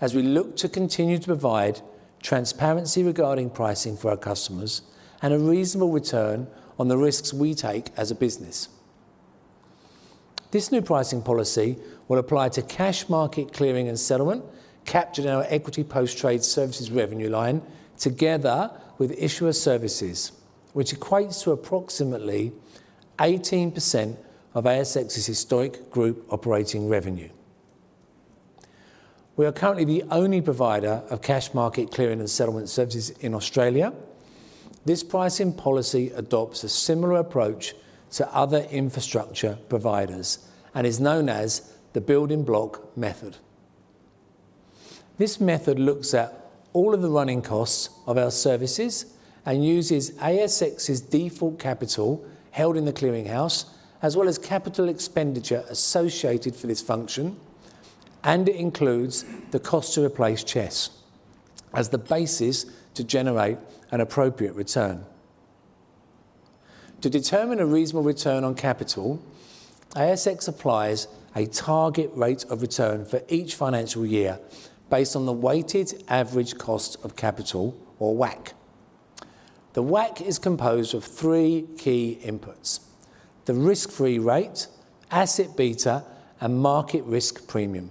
as we look to continue to provide transparency regarding pricing for our customers and a reasonable return on the risks we take as a business. This new pricing policy will apply to cash market clearing and settlement captured in our equity post-trade services revenue line together with issuer services, which equates to approximately 18% of ASX's historic group operating revenue. We are currently the only provider of cash market clearing and settlement services in Australia. This pricing policy adopts a similar approach to other infrastructure providers and is known as the building block method. This method looks at all of the running costs of our services and uses ASX's default capital held in the clearing house, as well as capital expenditure associated for this function, and it includes the cost to replace CHESS as the basis to generate an appropriate return. To determine a reasonable return on capital, ASX applies a target rate of return for each financial year based on the weighted average cost of capital, or WACC. The WACC is composed of three key inputs: the risk-free rate, asset beta, and market risk premium.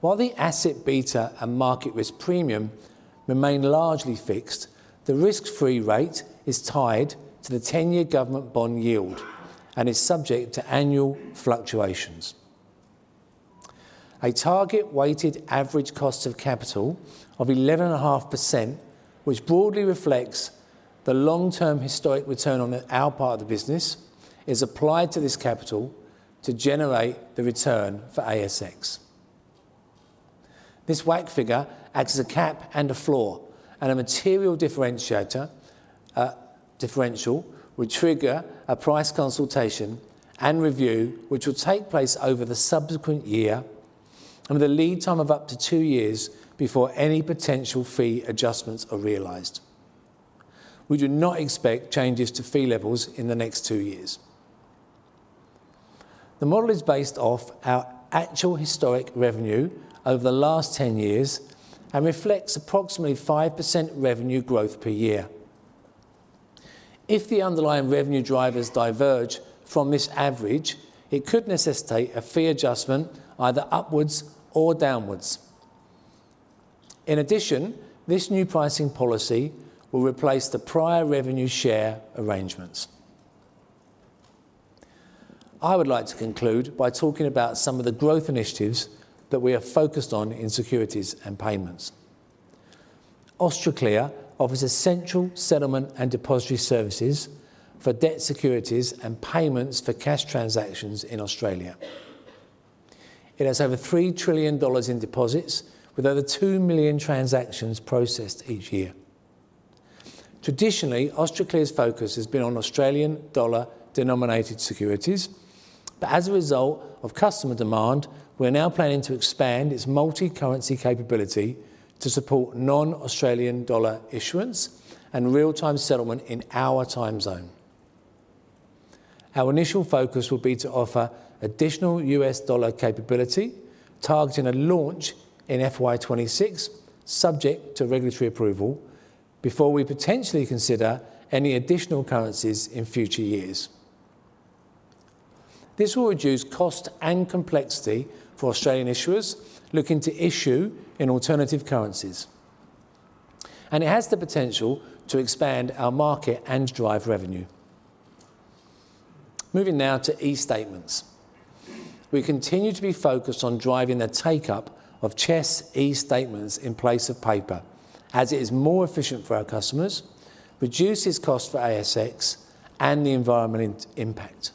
While the asset beta and market risk premium remain largely fixed, the risk-free rate is tied to the 10-year government bond yield and is subject to annual fluctuations. A target weighted average cost of capital of 11.5%, which broadly reflects the long-term historic return on our part of the business, is applied to this capital to generate the return for ASX. This WACC figure acts as a cap and a floor and a material differential, which trigger a price consultation and review, which will take place over the subsequent year and with a lead time of up to two years before any potential fee adjustments are realised. We do not expect changes to fee levels in the next two years. The model is based off our actual historic revenue over the last 10 years and reflects approximately 5% revenue growth per year. If the underlying revenue drivers diverge from this average, it could necessitate a fee adjustment either upwards or downwards. In addition, this new pricing policy will replace the prior revenue share arrangements. I would like to conclude by talking about some of the growth initiatives that we are focused on in securities and payments. AustraClear offers essential settlement and depository services for debt securities and payments for cash transactions in Australia. It has over 3 trillion dollars in deposits, with over 2 million transactions processed each year. Traditionally, AustraClear's focus has been on Australian dollar-denominated securities, but as a result of customer demand, we're now planning to expand its multi-currency capability to support non-Australian dollar issuance and real-time settlement in our time zone. Our initial focus will be to offer additional US dollar capability, targeting a launch in FY2026, subject to regulatory approval, before we potentially consider any additional currencies in future years. This will reduce cost and complexity for Australian issuers looking to issue in alternative currencies, and it has the potential to expand our market and drive revenue. Moving now to e-statements. We continue to be focused on driving the take-up of CHESS e-statements in place of paper, as it is more efficient for our customers, reduces costs for ASX, and the environmental impact.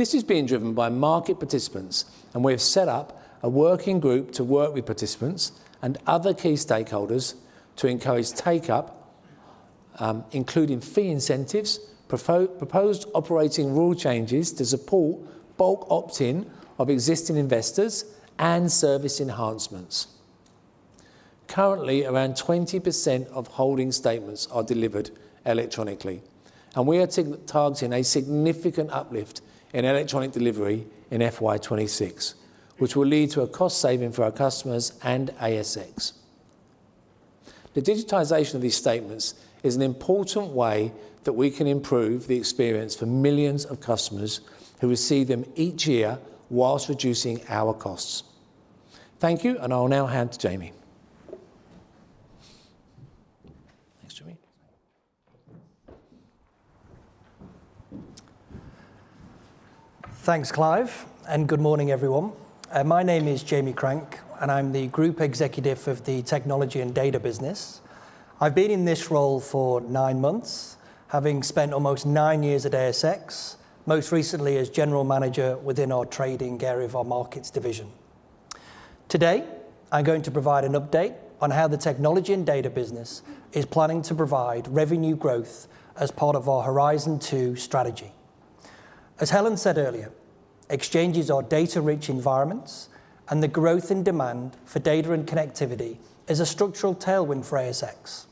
This is being driven by market participants, and we have set up a working group to work with participants and other key stakeholders to encourage take-up, including fee incentives, proposed operating rule changes to support bulk opt-in of existing investors, and service enhancements. Currently, around 20% of holding statements are delivered electronically, and we are targeting a significant uplift in electronic delivery in FY26, which will lead to a cost saving for our customers and ASX. The digitization of these statements is an important way that we can improve the experience for millions of customers who receive them each year whilst reducing our costs. Thank you, and I'll now hand to Jamie. Thanks, Jamie. Thanks, Clive, and good morning, everyone. My name is Jamie Crank, and I'm the Group Executive of the Technology and Data Business. I've been in this role for nine months, having spent almost nine years at ASX, most recently as General Manager within our trading area of our markets division. Today, I'm going to provide an update on how the Technology and Data Business is planning to provide revenue growth as part of our Horizon 2 strategy. As Helen said earlier, exchanges are data-rich environments, and the growth in demand for data and connectivity is a structural tailwind for ASX.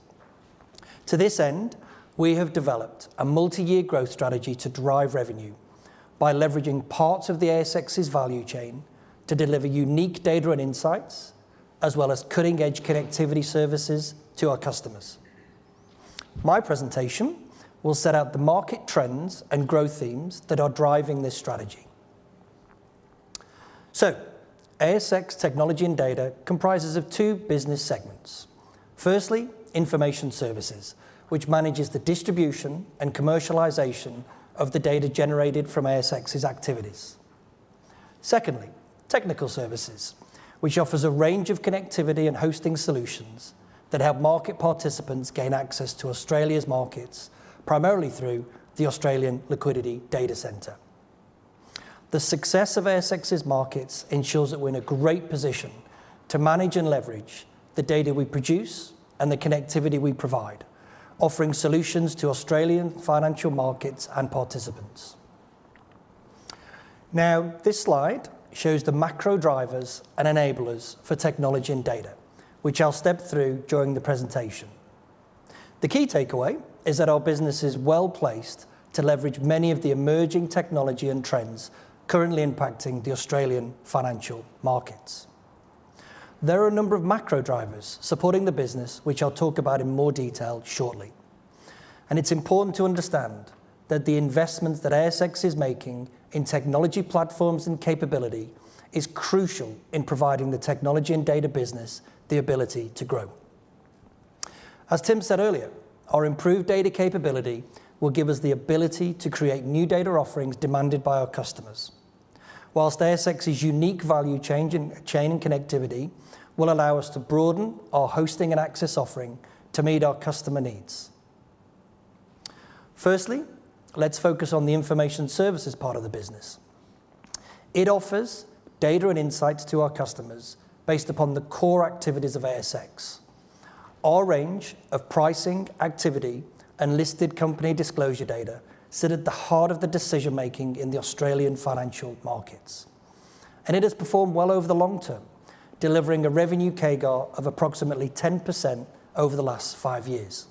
To this end, we have developed a multi-year growth strategy to drive revenue by leveraging parts of the ASX's value chain to deliver unique data and insights, as well as cutting-edge connectivity services to our customers. My presentation will set out the market trends and growth themes that are driving this strategy. ASX Technology and Data comprises two business segments. Firstly, information services, which manages the distribution and commercialization of the data generated from ASX's activities. Secondly, technical services, which offers a range of connectivity and hosting solutions that help market participants gain access to Australia's markets, primarily through the Australian Liquidity Data Centre. The success of ASX's markets ensures that we're in a great position to manage and leverage the data we produce and the connectivity we provide, offering solutions to Australian financial markets and participants. This slide shows the macro drivers and enablers for technology and data, which I'll step through during the presentation. The key takeaway is that our business is well placed to leverage many of the emerging technology and trends currently impacting the Australian financial markets. There are a number of macro drivers supporting the business, which I'll talk about in more detail shortly. It is important to understand that the investments that ASX is making in technology platforms and capability is crucial in providing the Technology and Data Business the ability to grow. As Tim said earlier, our improved data capability will give us the ability to create new data offerings demanded by our customers, whilst ASX's unique value chain and connectivity will allow us to broaden our hosting and access offering to meet our customer needs. Firstly, let's focus on the information services part of the business. It offers data and insights to our customers based upon the core activities of ASX. Our range of pricing, activity, and listed company disclosure data sit at the heart of the decision-making in the Australian financial markets. It has performed well over the long term, delivering a revenue CAGR of approximately 10% over the last five years.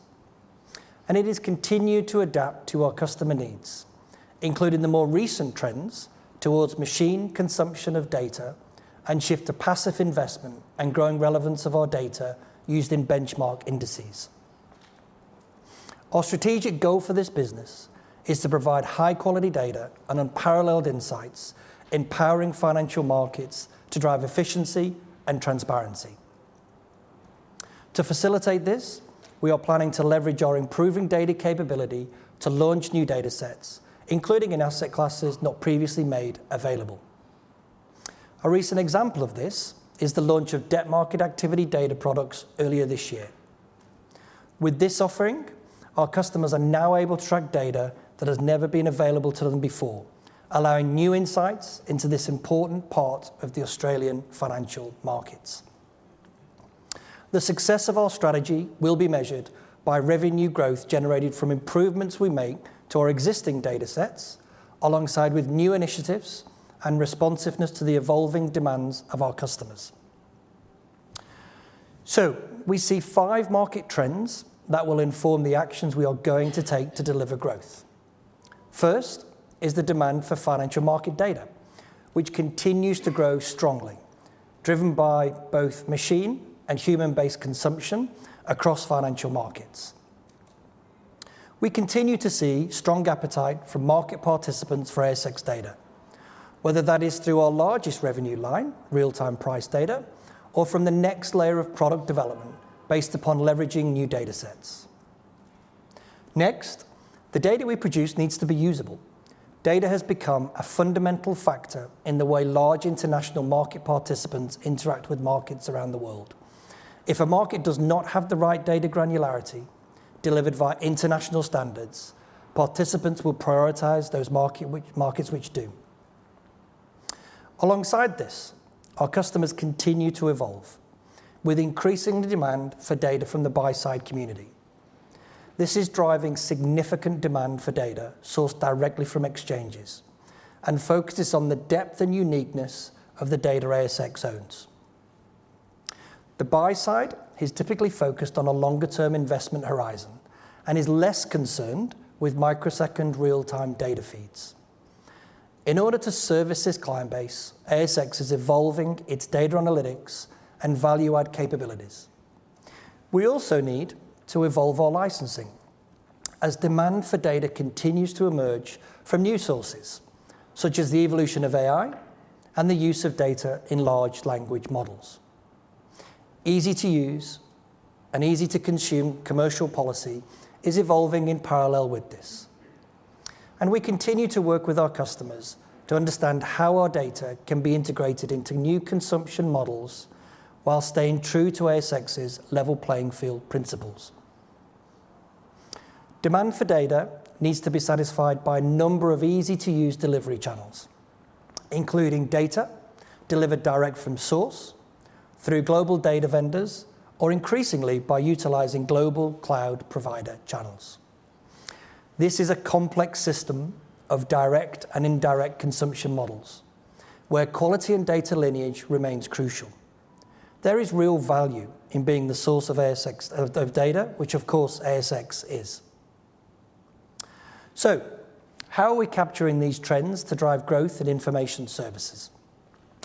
It has continued to adapt to our customer needs, including the more recent trends towards machine consumption of data and shift to passive investment and growing relevance of our data used in benchmark indices. Our strategic goal for this business is to provide high-quality data and unparalleled insights, empowering financial markets to drive efficiency and transparency. To facilitate this, we are planning to leverage our improving data capability to launch new data sets, including in asset classes not previously made available. A recent example of this is the launch of debt market activity data products earlier this year. With this offering, our customers are now able to track data that has never been available to them before, allowing new insights into this important part of the Australian financial markets. The success of our strategy will be measured by revenue growth generated from improvements we make to our existing data sets, alongside new initiatives and responsiveness to the evolving demands of our customers. We see five market trends that will inform the actions we are going to take to deliver growth. First is the demand for financial market data, which continues to grow strongly, driven by both machine and human-based consumption across financial markets. We continue to see strong appetite from market participants for ASX data, whether that is through our largest revenue line, real-time price data, or from the next layer of product development based upon leveraging new data sets. Next, the data we produce needs to be usable. Data has become a fundamental factor in the way large international market participants interact with markets around the world. If a market does not have the right data granularity delivered by international standards, participants will prioritize those markets which do. Alongside this, our customers continue to evolve with increasing demand for data from the buy-side community. This is driving significant demand for data sourced directly from exchanges and focuses on the depth and uniqueness of the data ASX owns. The buy-side is typically focused on a longer-term investment horizon and is less concerned with microsecond real-time data feeds. In order to service this client base, ASX is evolving its data analytics and value-add capabilities. We also need to evolve our licensing as demand for data continues to emerge from new sources, such as the evolution of AI and the use of data in large language models. Easy-to-use and easy-to-consume commercial policy is evolving in parallel with this. We continue to work with our customers to understand how our data can be integrated into new consumption models while staying true to ASX's level playing field principles. Demand for data needs to be satisfied by a number of easy-to-use delivery channels, including data delivered direct from source through global data vendors or, increasingly, by utilizing global cloud provider channels. This is a complex system of direct and indirect consumption models where quality and data lineage remains crucial. There is real value in being the source of data, which, of course, ASX is. How are we capturing these trends to drive growth in information services?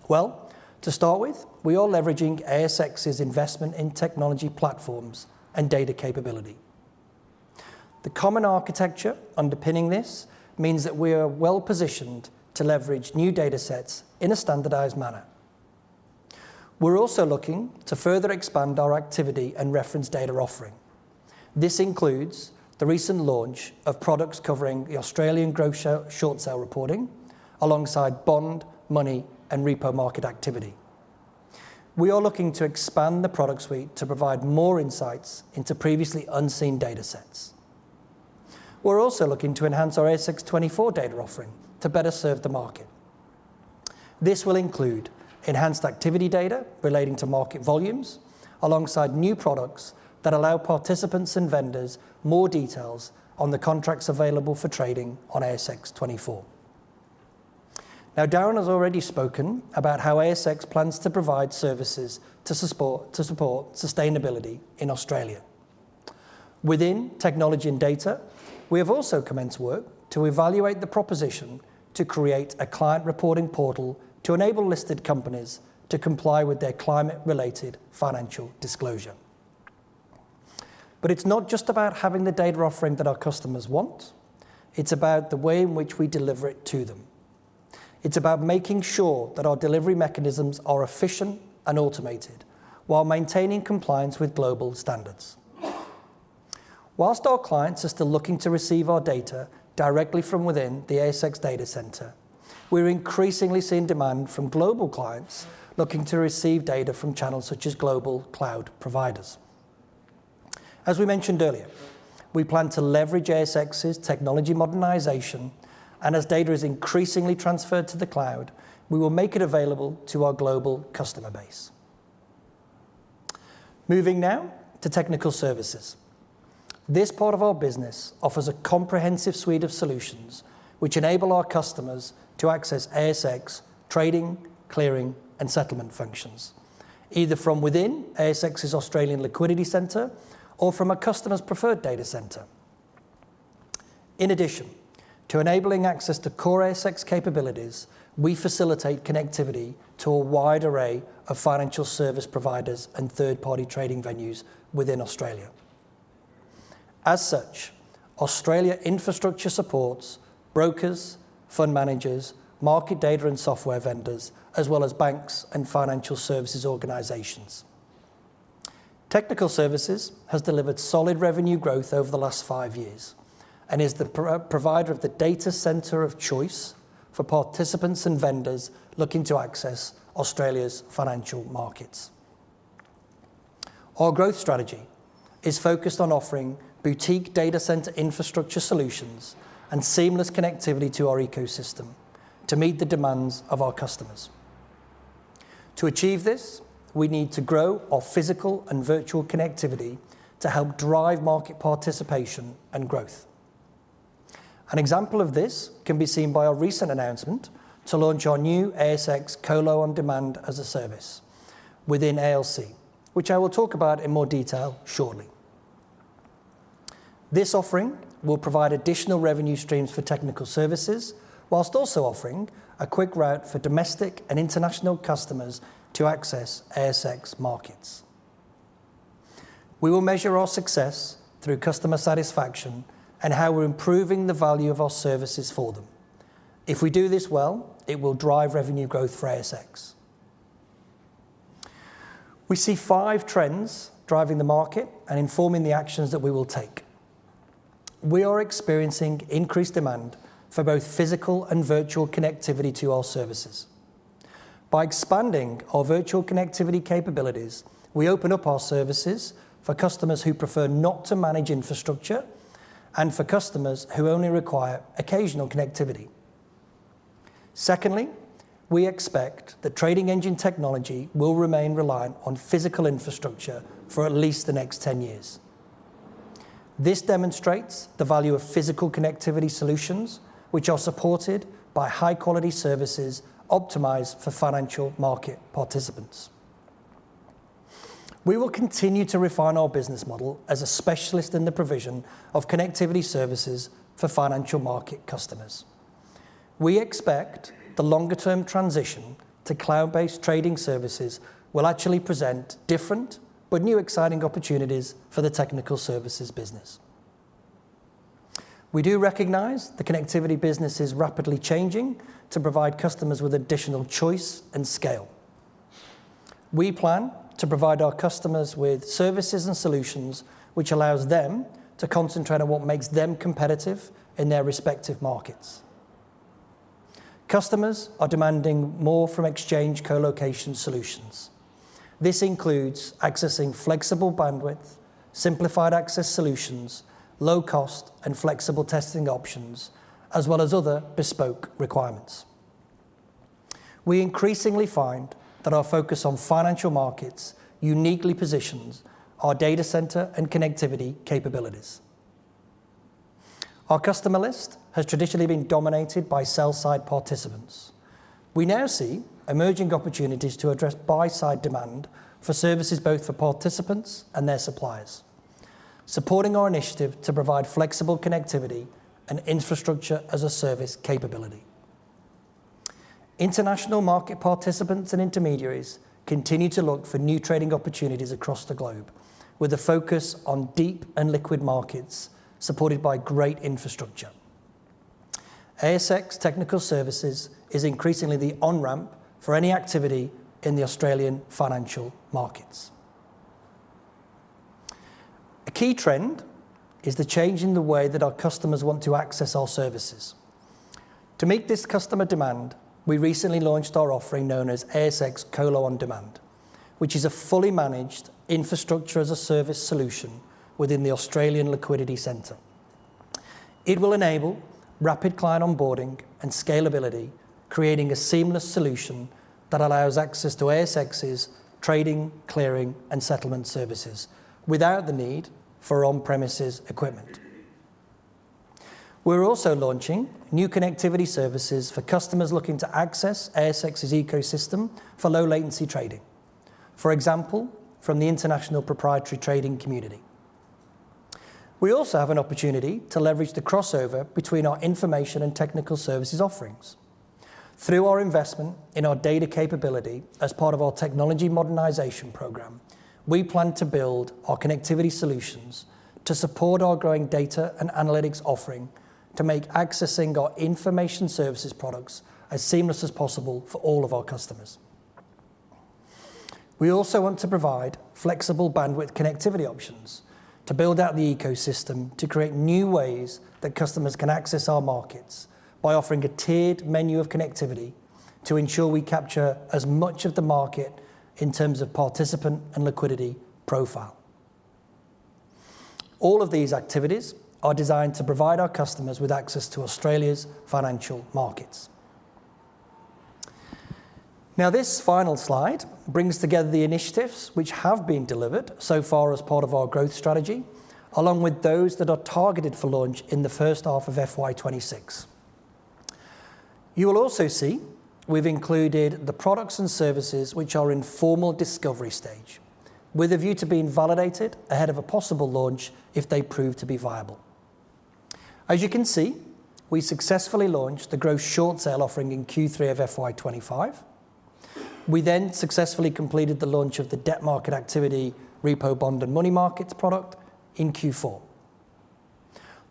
To start with, we are leveraging ASX's investment in technology platforms and data capability. The common architecture underpinning this means that we are well positioned to leverage new data sets in a standardized manner. We're also looking to further expand our activity and reference data offering. This includes the recent launch of products covering the Australian gross short sale reporting alongside bond, money, and repo market activity. We are looking to expand the product suite to provide more insights into previously unseen data sets. We're also looking to enhance our ASX 24 data offering to better serve the market. This will include enhanced activity data relating to market volumes alongside new products that allow participants and vendors more details on the contracts available for trading on ASX 24. Now, Darren has already spoken about how ASX plans to provide services to support sustainability in Australia. Within technology and data, we have also commenced work to evaluate the proposition to create a client reporting portal to enable listed companies to comply with their climate-related financial disclosure. It is not just about having the data offering that our customers want. It is about the way in which we deliver it to them. It is about making sure that our delivery mechanisms are efficient and automated while maintaining compliance with global standards. Whilst our clients are still looking to receive our data directly from within the ASX data centre, we are increasingly seeing demand from global clients looking to receive data from channels such as global cloud providers. As we mentioned earlier, we plan to leverage ASX's technology modernisation, and as data is increasingly transferred to the cloud, we will make it available to our global customer base. Moving now to technical services. This part of our business offers a comprehensive suite of solutions which enable our customers to access ASX trading, clearing, and settlement functions, either from within ASX's Australian Liquidity Centre or from a customer's preferred data centre. In addition to enabling access to core ASX capabilities, we facilitate connectivity to a wide array of financial service providers and third-party trading venues within Australia. As such, Australia infrastructure supports brokers, fund managers, market data and software vendors, as well as banks and financial services organisations. Technical services has delivered solid revenue growth over the last five years and is the provider of the data centre of choice for participants and vendors looking to access Australia's financial markets. Our growth strategy is focused on offering boutique data centre infrastructure solutions and seamless connectivity to our ecosystem to meet the demands of our customers. To achieve this, we need to grow our physical and virtual connectivity to help drive market participation and growth. An example of this can be seen by our recent announcement to launch our new ASX Colo on Demand as a service within ALC, which I will talk about in more detail shortly. This offering will provide additional revenue streams for technical services, whilst also offering a quick route for domestic and international customers to access ASX markets. We will measure our success through customer satisfaction and how we're improving the value of our services for them. If we do this well, it will drive revenue growth for ASX. We see five trends driving the market and informing the actions that we will take. We are experiencing increased demand for both physical and virtual connectivity to our services. By expanding our virtual connectivity capabilities, we open up our services for customers who prefer not to manage infrastructure and for customers who only require occasional connectivity. Secondly, we expect that trading engine technology will remain reliant on physical infrastructure for at least the next 10 years. This demonstrates the value of physical connectivity solutions, which are supported by high-quality services optimized for financial market participants. We will continue to refine our business model as a specialist in the provision of connectivity services for financial market customers. We expect the longer-term transition to cloud-based trading services will actually present different, but new exciting opportunities for the technical services business. We do recognize the connectivity business is rapidly changing to provide customers with additional choice and scale. We plan to provide our customers with services and solutions which allow them to concentrate on what makes them competitive in their respective markets. Customers are demanding more from exchange colocation solutions. This includes accessing flexible bandwidth, simplified access solutions, low-cost and flexible testing options, as well as other bespoke requirements. We increasingly find that our focus on financial markets uniquely positions our data centre and connectivity capabilities. Our customer list has traditionally been dominated by sell-side participants. We now see emerging opportunities to address buy-side demand for services both for participants and their suppliers, supporting our initiative to provide flexible connectivity and infrastructure as a service capability. International market participants and intermediaries continue to look for new trading opportunities across the globe with a focus on deep and liquid markets supported by great infrastructure. ASX technical services is increasingly the on-ramp for any activity in the Australian financial markets. A key trend is the change in the way that our customers want to access our services. To meet this customer demand, we recently launched our offering known as ASX Colo on Demand, which is a fully managed infrastructure as a service solution within the Australian Liquidity Centre. It will enable rapid client onboarding and scalability, creating a seamless solution that allows access to ASX's trading, clearing, and settlement services without the need for on-premises equipment. We're also launching new connectivity services for customers looking to access ASX's ecosystem for low-latency trading, for example, from the international proprietary trading community. We also have an opportunity to leverage the crossover between our information and technical services offerings. Through our investment in our data capability as part of our technology modernization program, we plan to build our connectivity solutions to support our growing data and analytics offering to make accessing our information services products as seamless as possible for all of our customers. We also want to provide flexible bandwidth connectivity options to build out the ecosystem to create new ways that customers can access our markets by offering a tiered menu of connectivity to ensure we capture as much of the market in terms of participant and liquidity profile. All of these activities are designed to provide our customers with access to Australia's financial markets. Now, this final slide brings together the initiatives which have been delivered so far as part of our growth strategy, along with those that are targeted for launch in the first half of FY2026. You will also see we've included the products and services which are in formal discovery stage, with a view to being validated ahead of a possible launch if they prove to be viable. As you can see, we successfully launched the gross short sale offering in Q3 of FY2025. We then successfully completed the launch of the debt market activity, repo, bond, and money markets product in Q4.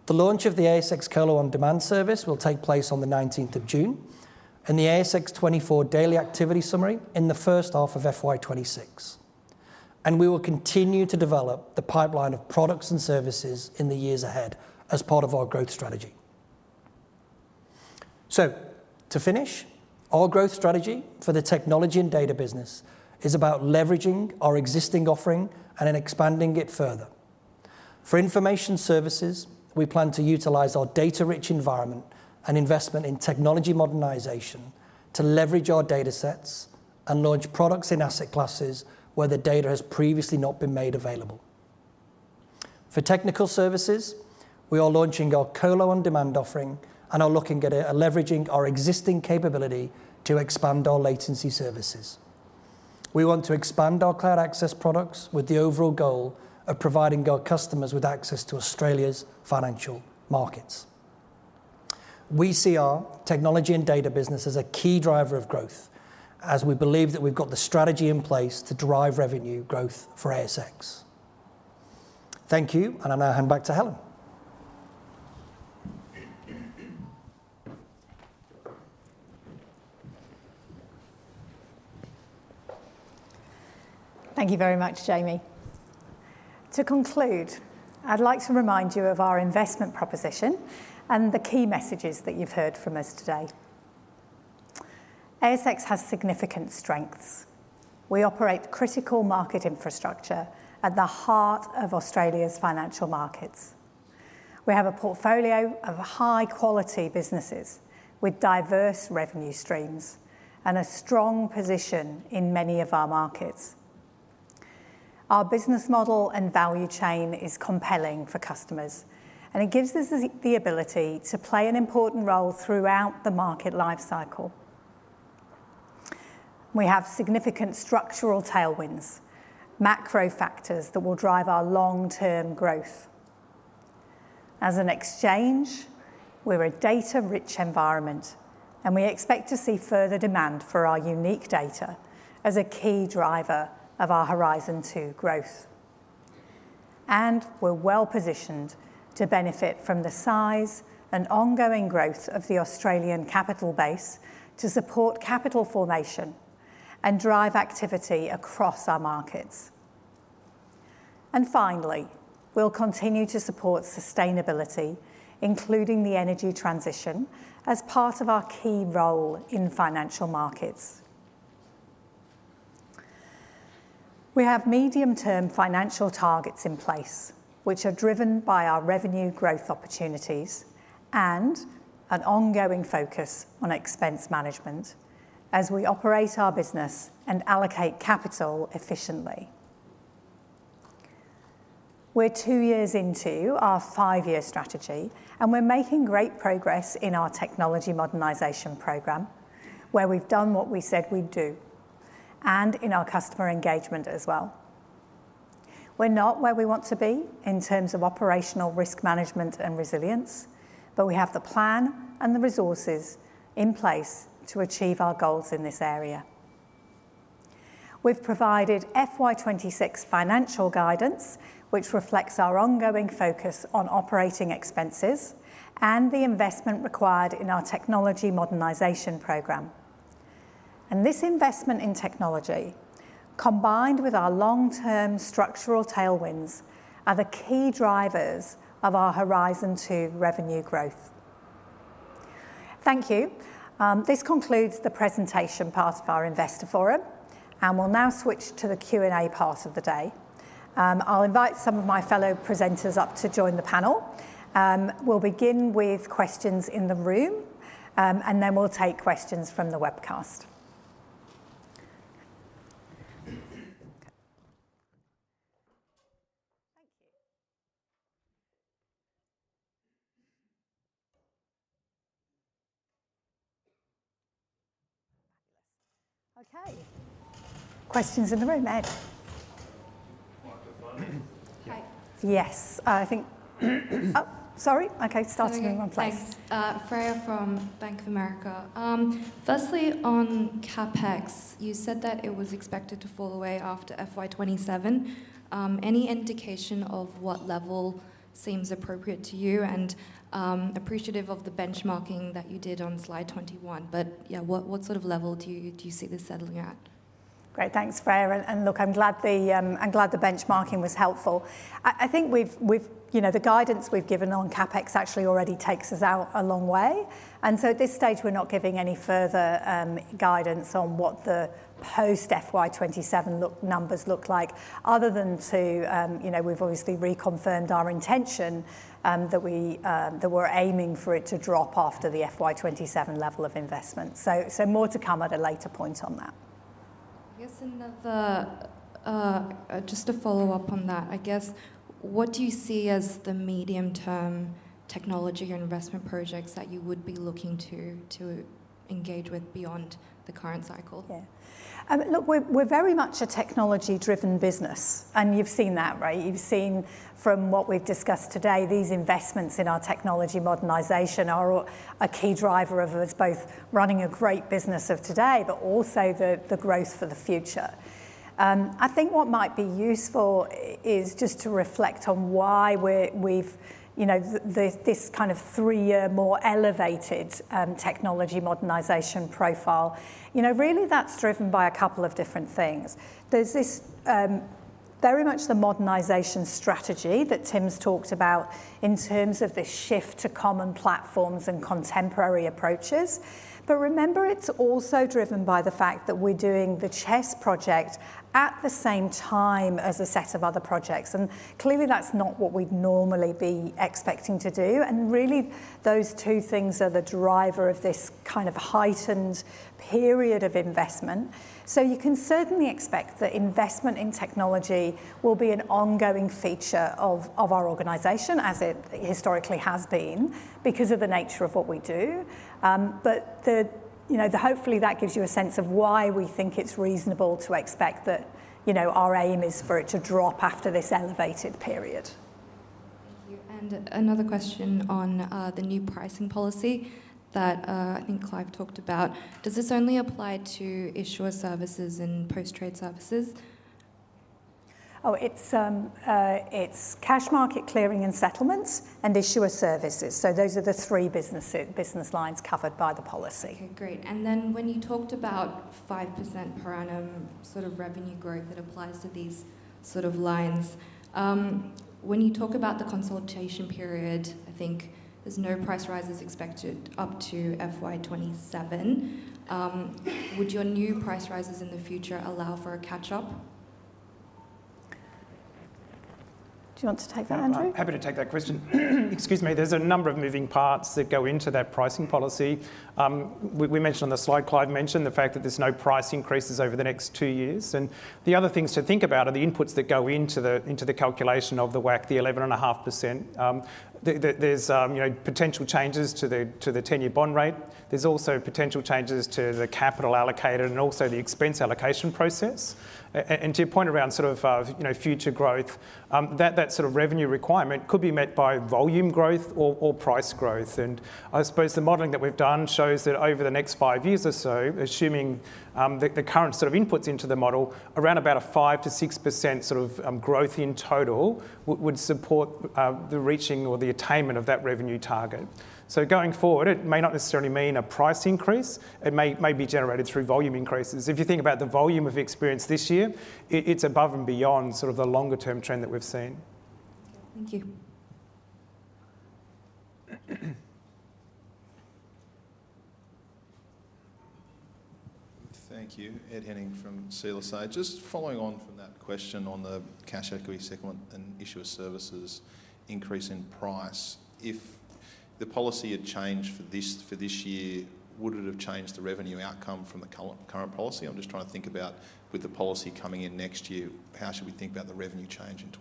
The launch of the ASX Colo on Demand service will take place on the 19th of June, and the ASX 24 daily activity summary in the first half of FY2026. We will continue to develop the pipeline of products and services in the years ahead as part of our growth strategy. To finish, our growth strategy for the technology and data business is about leveraging our existing offering and expanding it further. For information services, we plan to utilise our data-rich environment and investment in technology modernisation to leverage our data sets and launch products in asset classes where the data has previously not been made available. For technical services, we are launching our Colo on Demand offering and are looking at leveraging our existing capability to expand our latency services. We want to expand our cloud access products with the overall goal of providing our customers with access to Australia's financial markets. We see our technology and data business as a key driver of growth as we believe that we've got the strategy in place to drive revenue growth for ASX. Thank you, and I'll now hand back to Helen. Thank you very much, Jamie. To conclude, I'd like to remind you of our investment proposition and the key messages that you've heard from us today. ASX has significant strengths. We operate critical market infrastructure at the heart of Australia's financial markets. We have a portfolio of high-quality businesses with diverse revenue streams and a strong position in many of our markets. Our business model and value chain is compelling for customers, and it gives us the ability to play an important role throughout the market life cycle. We have significant structural tailwinds, macro factors that will drive our long-term growth. As an exchange, we're a data-rich environment, and we expect to see further demand for our unique data as a key driver of our horizon to growth. We are well positioned to benefit from the size and ongoing growth of the Australian capital base to support capital formation and drive activity across our markets. Finally, we will continue to support sustainability, including the energy transition, as part of our key role in financial markets. We have medium-term financial targets in place, which are driven by our revenue growth opportunities and an ongoing focus on expense management as we operate our business and allocate capital efficiently. We are two years into our five-year strategy, and we are making great progress in our technology modernization program, where we have done what we said we would do, and in our customer engagement as well. We are not where we want to be in terms of operational risk management and resilience, but we have the plan and the resources in place to achieve our goals in this area. We've provided FY26 financial guidance, which reflects our ongoing focus on operating expenses and the investment required in our technology modernization program. This investment in technology, combined with our long-term structural tailwinds, are the key drivers of our horizon to revenue growth. Thank you. This concludes the presentation part of our investor forum, and we'll now switch to the Q&A part of the day. I'll invite some of my fellow presenters up to join the panel. We'll begin with questions in the room, and then we'll take questions from the webcast. Thank you. Fabulous. Okay. Questions in the room, Ed. Microphone. Hi. Yes. I think, oh, sorry. Okay, starting in one place. Thanks. Freya from Bank of America. Firstly, on CapEx, you said that it was expected to fall away after FY 2027. Any indication of what level seems appropriate to you and appreciative of the benchmarking that you did on slide 21? What sort of level do you see this settling at? Great. Thanks, Freya. Look, I'm glad the benchmarking was helpful. I think the guidance we've given on CapEx actually already takes us out a long way. At this stage, we're not giving any further guidance on what the post-FY27 numbers look like, other than to, we've obviously reconfirmed our intention that we were aiming for it to drop after the FY27 level of investment. More to come at a later point on that. I guess another, just to follow up on that, I guess, what do you see as the medium-term technology or investment projects that you would be looking to engage with beyond the current cycle? Yeah. Look, we're very much a technology-driven business, and you've seen that, right? You've seen from what we've discussed today, these investments in our technology modernization are a key driver of us both running a great business of today, but also the growth for the future. I think what might be useful is just to reflect on why we've this kind of three-year more elevated technology modernization profile. Really, that's driven by a couple of different things. There's this very much the modernization strategy that Tim's talked about in terms of the shift to common platforms and contemporary approaches. Remember, it's also driven by the fact that we're doing the CHESS project at the same time as a set of other projects. Clearly, that's not what we'd normally be expecting to do. Really, those two things are the driver of this kind of heightened period of investment. You can certainly expect that investment in technology will be an ongoing feature of our organization, as it historically has been because of the nature of what we do. Hopefully, that gives you a sense of why we think it's reasonable to expect that our aim is for it to drop after this elevated period. Thank you. Another question on the new pricing policy that I think Clive talked about. Does this only apply to issuer services and post-trade services? Oh, it's cash market clearing and settlements and issuer services. So those are the three business lines covered by the policy. Okay, great. When you talked about 5% per annum sort of revenue growth, that applies to these sort of lines. When you talk about the consultation period, I think there's no price rises expected up to FY2027. Would your new price rises in the future allow for a catch-up? Do you want to take that, Andrew? I'm happy to take that question. Excuse me. There's a number of moving parts that go into that pricing policy. We mentioned on the slide, Clive mentioned the fact that there's no price increases over the next two years. The other things to think about are the inputs that go into the calculation of the WACC, the 11.5%. There's potential changes to the 10-year bond rate. There's also potential changes to the capital allocated and also the expense allocation process. To your point around sort of future growth, that sort of revenue requirement could be met by volume growth or price growth. I suppose the modeling that we've done shows that over the next five years or so, assuming the current sort of inputs into the model, around about a 5%-6% sort of growth in total would support the reaching or the attainment of that revenue target. Going forward, it may not necessarily mean a price increase. It may be generated through volume increases. If you think about the volume of experience this year, it's above and beyond sort of the longer-term trend that we've seen. Thank you. Thank you. Ed Henning from CLSA. Just following on from that question on the cash equity segment and issuer services increase in price, if the policy had changed for this year, would it have changed the revenue outcome from the current policy? I'm just trying to think about with the policy coming in next year, how should we think about the revenue change in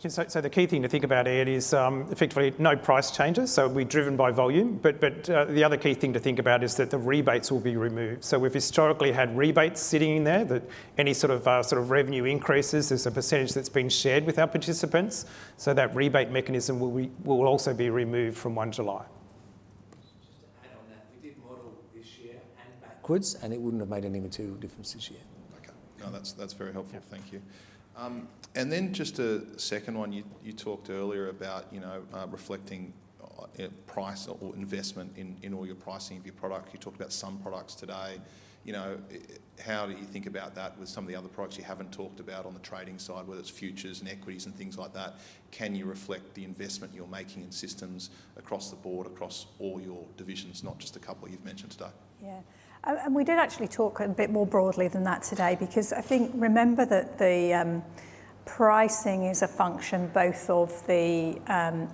2026? The key thing to think about, Ed, is effectively no price changes. It will be driven by volume. The other key thing to think about is that the rebates will be removed. We have historically had rebates sitting in there that any sort of revenue increases, there is a percentage that is being shared with our participants. That rebate mechanism will also be removed from July 1. Just to add on that, we did model this year and backwards, and it wouldn't have made an even two difference this year. Okay. No, that's very helpful. Thank you. Just a second one, you talked earlier about reflecting price or investment in all your pricing of your product. You talked about some products today. How do you think about that with some of the other products you haven't talked about on the trading side, whether it's futures and equities and things like that? Can you reflect the investment you're making in systems across the board, across all your divisions, not just a couple you've mentioned today? Yeah. We did actually talk a bit more broadly than that today because I think remember that the pricing is a function both of the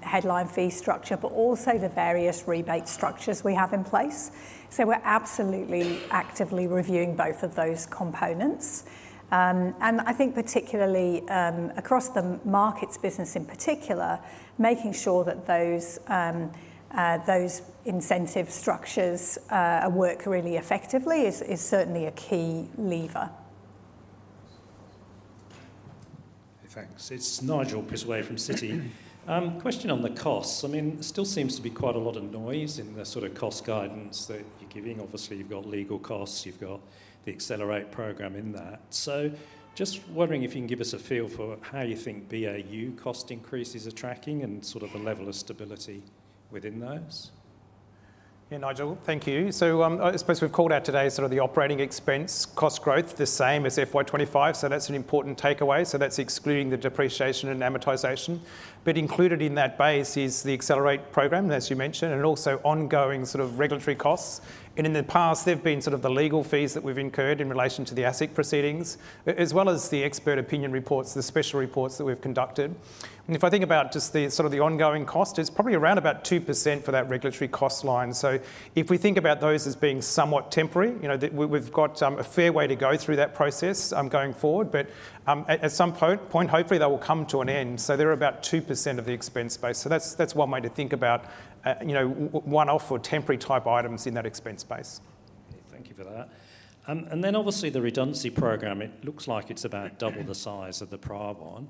headline fee structure, but also the various rebate structures we have in place. We are absolutely actively reviewing both of those components. I think particularly across the markets business in particular, making sure that those incentive structures work really effectively is certainly a key lever. Thanks. It's Nigel Pittaway from Citi. Question on the costs. I mean, still seems to be quite a lot of noise in the sort of cost guidance that you're giving. Obviously, you've got legal costs, you've got the Accelerate program in that. Just wondering if you can give us a feel for how you think BAU cost increases are tracking and sort of the level of stability within those. Yeah, Nigel, thank you. I suppose we've called out today sort of the operating expense cost growth, the same as FY25. That's an important takeaway. That's excluding the depreciation and amortization. Included in that base is the Accelerate program, as you mentioned, and also ongoing sort of regulatory costs. In the past, there've been the legal fees that we've incurred in relation to the ASIC proceedings, as well as the expert opinion reports, the special reports that we've conducted. If I think about just the ongoing cost, it's probably around about 2% for that regulatory cost line. If we think about those as being somewhat temporary, we've got a fair way to go through that process going forward. At some point, hopefully, that will come to an end. There are about 2% of the expense base. That's one way to think about one-off or temporary type items in that expense base. Okay. Thank you for that. Obviously the redundancy program, it looks like it's about double the size of the prior one.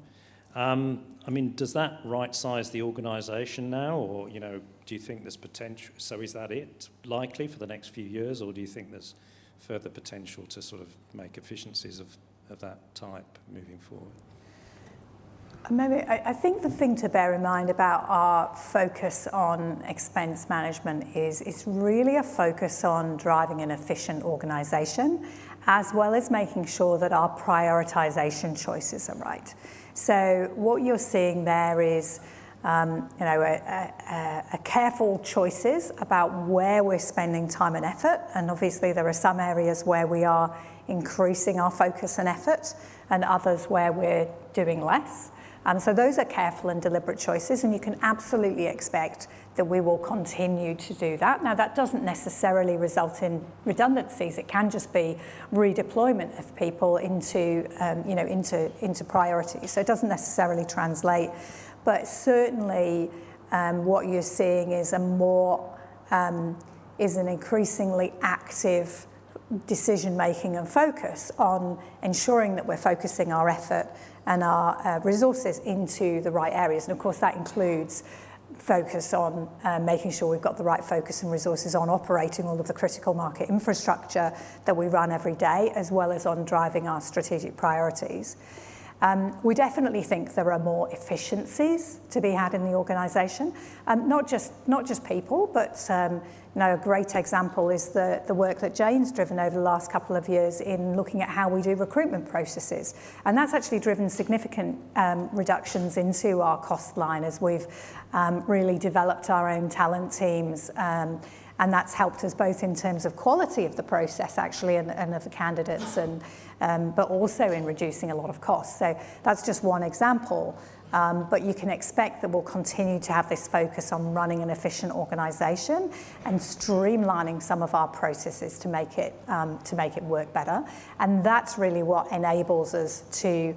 I mean, does that right-size the organization now, or do you think there's potential? Is that it likely for the next few years, or do you think there's further potential to sort of make efficiencies of that type moving forward? I think the thing to bear in mind about our focus on expense management is it's really a focus on driving an efficient organization, as well as making sure that our prioritization choices are right. What you're seeing there is careful choices about where we're spending time and effort. Obviously, there are some areas where we are increasing our focus and effort and others where we're doing less. Those are careful and deliberate choices, and you can absolutely expect that we will continue to do that. That doesn't necessarily result in redundancies. It can just be redeployment of people into priorities. It doesn't necessarily translate. Certainly, what you're seeing is an increasingly active decision-making and focus on ensuring that we're focusing our effort and our resources into the right areas. Of course, that includes focus on making sure we've got the right focus and resources on operating all of the critical market infrastructure that we run every day, as well as on driving our strategic priorities. We definitely think there are more efficiencies to be had in the organization, not just people, but a great example is the work that Jane's driven over the last couple of years in looking at how we do recruitment processes. That's actually driven significant reductions into our cost line as we've really developed our own talent teams. That's helped us both in terms of quality of the process, actually, and of the candidates, but also in reducing a lot of costs. That's just one example. You can expect that we'll continue to have this focus on running an efficient organization and streamlining some of our processes to make it work better. That is really what enables us to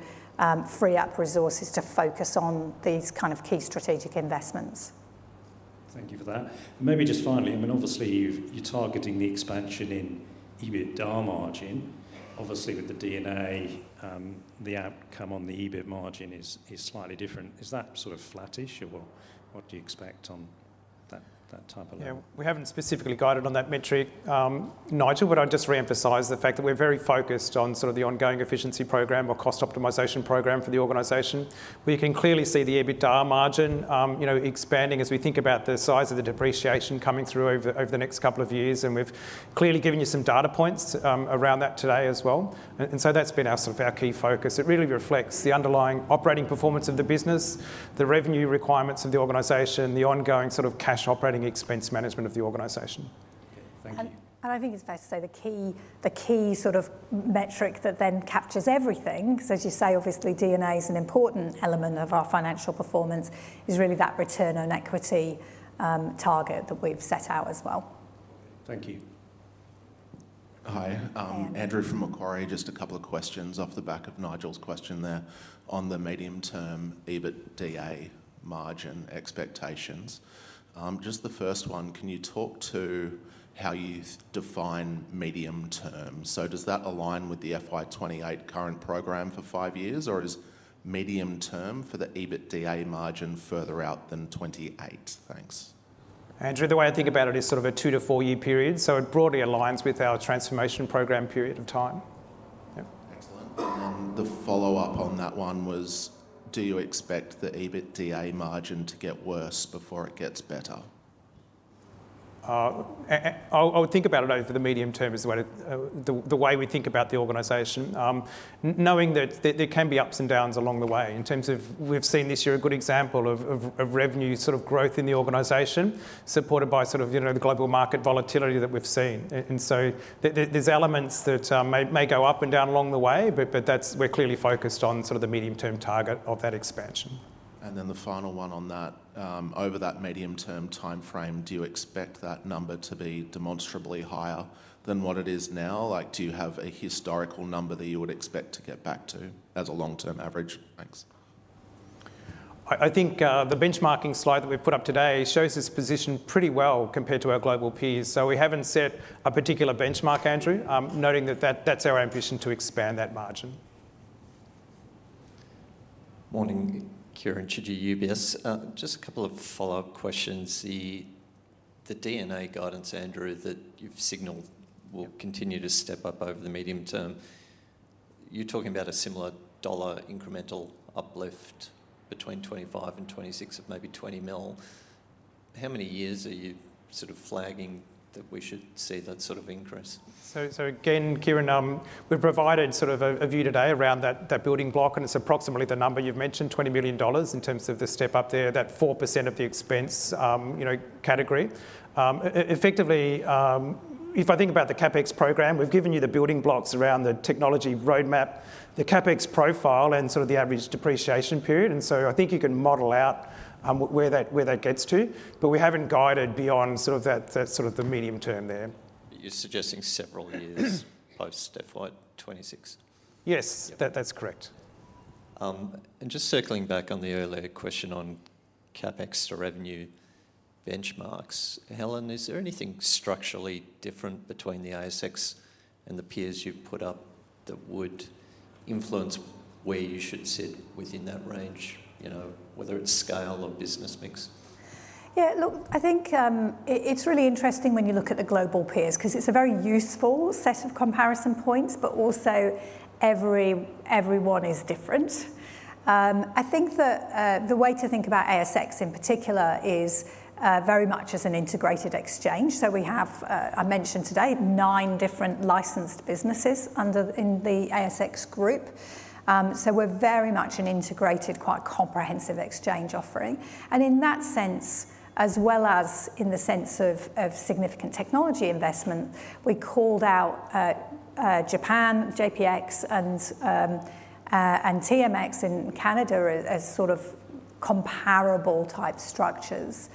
free up resources to focus on these kind of key strategic investments. Thank you for that. Maybe just finally, I mean, obviously, you're targeting the expansion in EBITDA margin. Obviously, with the D&A, the outcome on the EBIT margin is slightly different. Is that sort of flattish, or what do you expect on that type of line? Yeah. We have not specifically guided on that metric, Nigel, but I would just re-emphasize the fact that we are very focused on the ongoing efficiency program or cost optimization program for the organization. We can clearly see the EBITDA margin expanding as we think about the size of the depreciation coming through over the next couple of years. We have clearly given you some data points around that today as well. That has been our key focus. It really reflects the underlying operating performance of the business, the revenue requirements of the organization, the ongoing cash operating expense management of the organization. Okay. Thank you. I think it's fair to say the key sort of metric that then captures everything, because as you say, obviously, DNA is an important element of our financial performance, is really that return on equity target that we've set out as well. Thank you. Hi. Andrew from Macquarie, just a couple of questions off the back of Nigel's question there on the medium-term EBITDA margin expectations. Just the first one, can you talk to how you define medium term? Does that align with the FY2028 current program for five years, or is medium term for the EBITDA margin further out than 2028? Thanks. Andrew, the way I think about it is sort of a two- to four-year period. It broadly aligns with our transformation program period of time. Excellent. The follow-up on that one was, do you expect the EBITDA margin to get worse before it gets better? I would think about it over the medium term as the way we think about the organization, knowing that there can be ups and downs along the way. In terms of we've seen this year a good example of revenue sort of growth in the organization supported by sort of the global market volatility that we've seen. There are elements that may go up and down along the way, but we're clearly focused on sort of the medium-term target of that expansion. Over that medium-term timeframe, do you expect that number to be demonstrably higher than what it is now? Do you have a historical number that you would expect to get back to as a long-term average? Thanks. I think the benchmarking slide that we've put up today shows this position pretty well compared to our global peers. We haven't set a particular benchmark, Andrew, noting that that's our ambition to expand that margin. Morning, Kieran Chidgey, UBS. Just a couple of follow-up questions. The DNA guidance, Andrew, that you've signaled will continue to step up over the medium term. You're talking about a similar dollar incremental uplift between 2025 and 2026 of maybe 20 million. How many years are you sort of flagging that we should see that sort of increase? Again, Kieran, we've provided sort of a view today around that building block, and it's approximately the number you've mentioned, $20 million in terms of the step up there, that 4% of the expense category. Effectively, if I think about the CapEx program, we've given you the building blocks around the technology roadmap, the CapEx profile, and sort of the average depreciation period. I think you can model out where that gets to, but we haven't guided beyond sort of that sort of the medium term there. You're suggesting several years post-FY26? Yes, that's correct. Just circling back on the earlier question on CapEx to revenue benchmarks, Helen, is there anything structurally different between the ASX and the peers you've put up that would influence where you should sit within that range, whether it's scale or business mix? Yeah, look, I think it's really interesting when you look at the global peers because it's a very useful set of comparison points, but also everyone is different. I think that the way to think about ASX in particular is very much as an integrated exchange. So we have, I mentioned today, nine different licensed businesses in the ASX group. So we're very much an integrated, quite comprehensive exchange offering. In that sense, as well as in the sense of significant technology investment, we called out Japan Exchange Group, JPX, and TMX in Canada as sort of comparable type structures.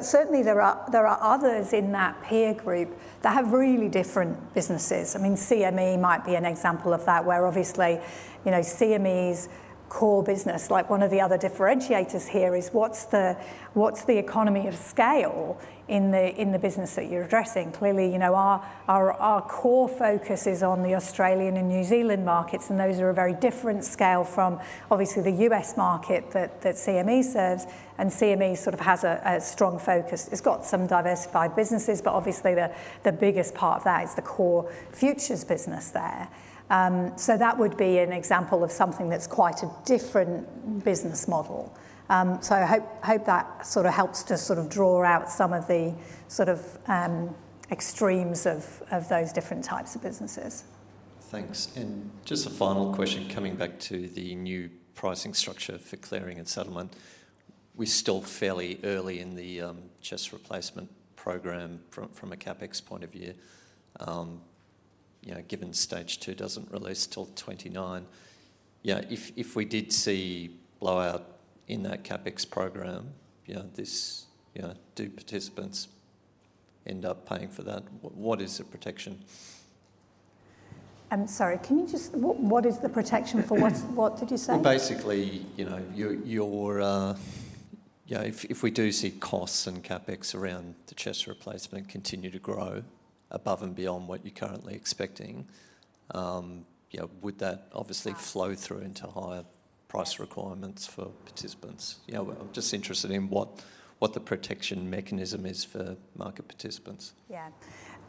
Certainly, there are others in that peer group that have really different businesses. I mean, CME might be an example of that, where obviously CME's core business, like one of the other differentiators here, is what's the economy of scale in the business that you're addressing. Clearly, our core focus is on the Australian and New Zealand markets, and those are a very different scale from obviously the U.S. market that CME serves. CME sort of has a strong focus. It's got some diversified businesses, but obviously the biggest part of that is the core futures business there. That would be an example of something that's quite a different business model. I hope that sort of helps to sort of draw out some of the sort of extremes of those different types of businesses. Thanks. Just a final question coming back to the new pricing structure for clearing and settlement. We're still fairly early in the CHESS replacement program from a CapEx point of view, given stage two does not release until 2029. Yeah, if we did see blowout in that CapEx program, do participants end up paying for that? What is the protection? I'm sorry, can you just, what is the protection for, what did you say? Basically, if we do see costs and CapEx around the CHESS replacement continue to grow above and beyond what you're currently expecting, would that obviously flow through into higher price requirements for participants? I'm just interested in what the protection mechanism is for market participants. Yeah.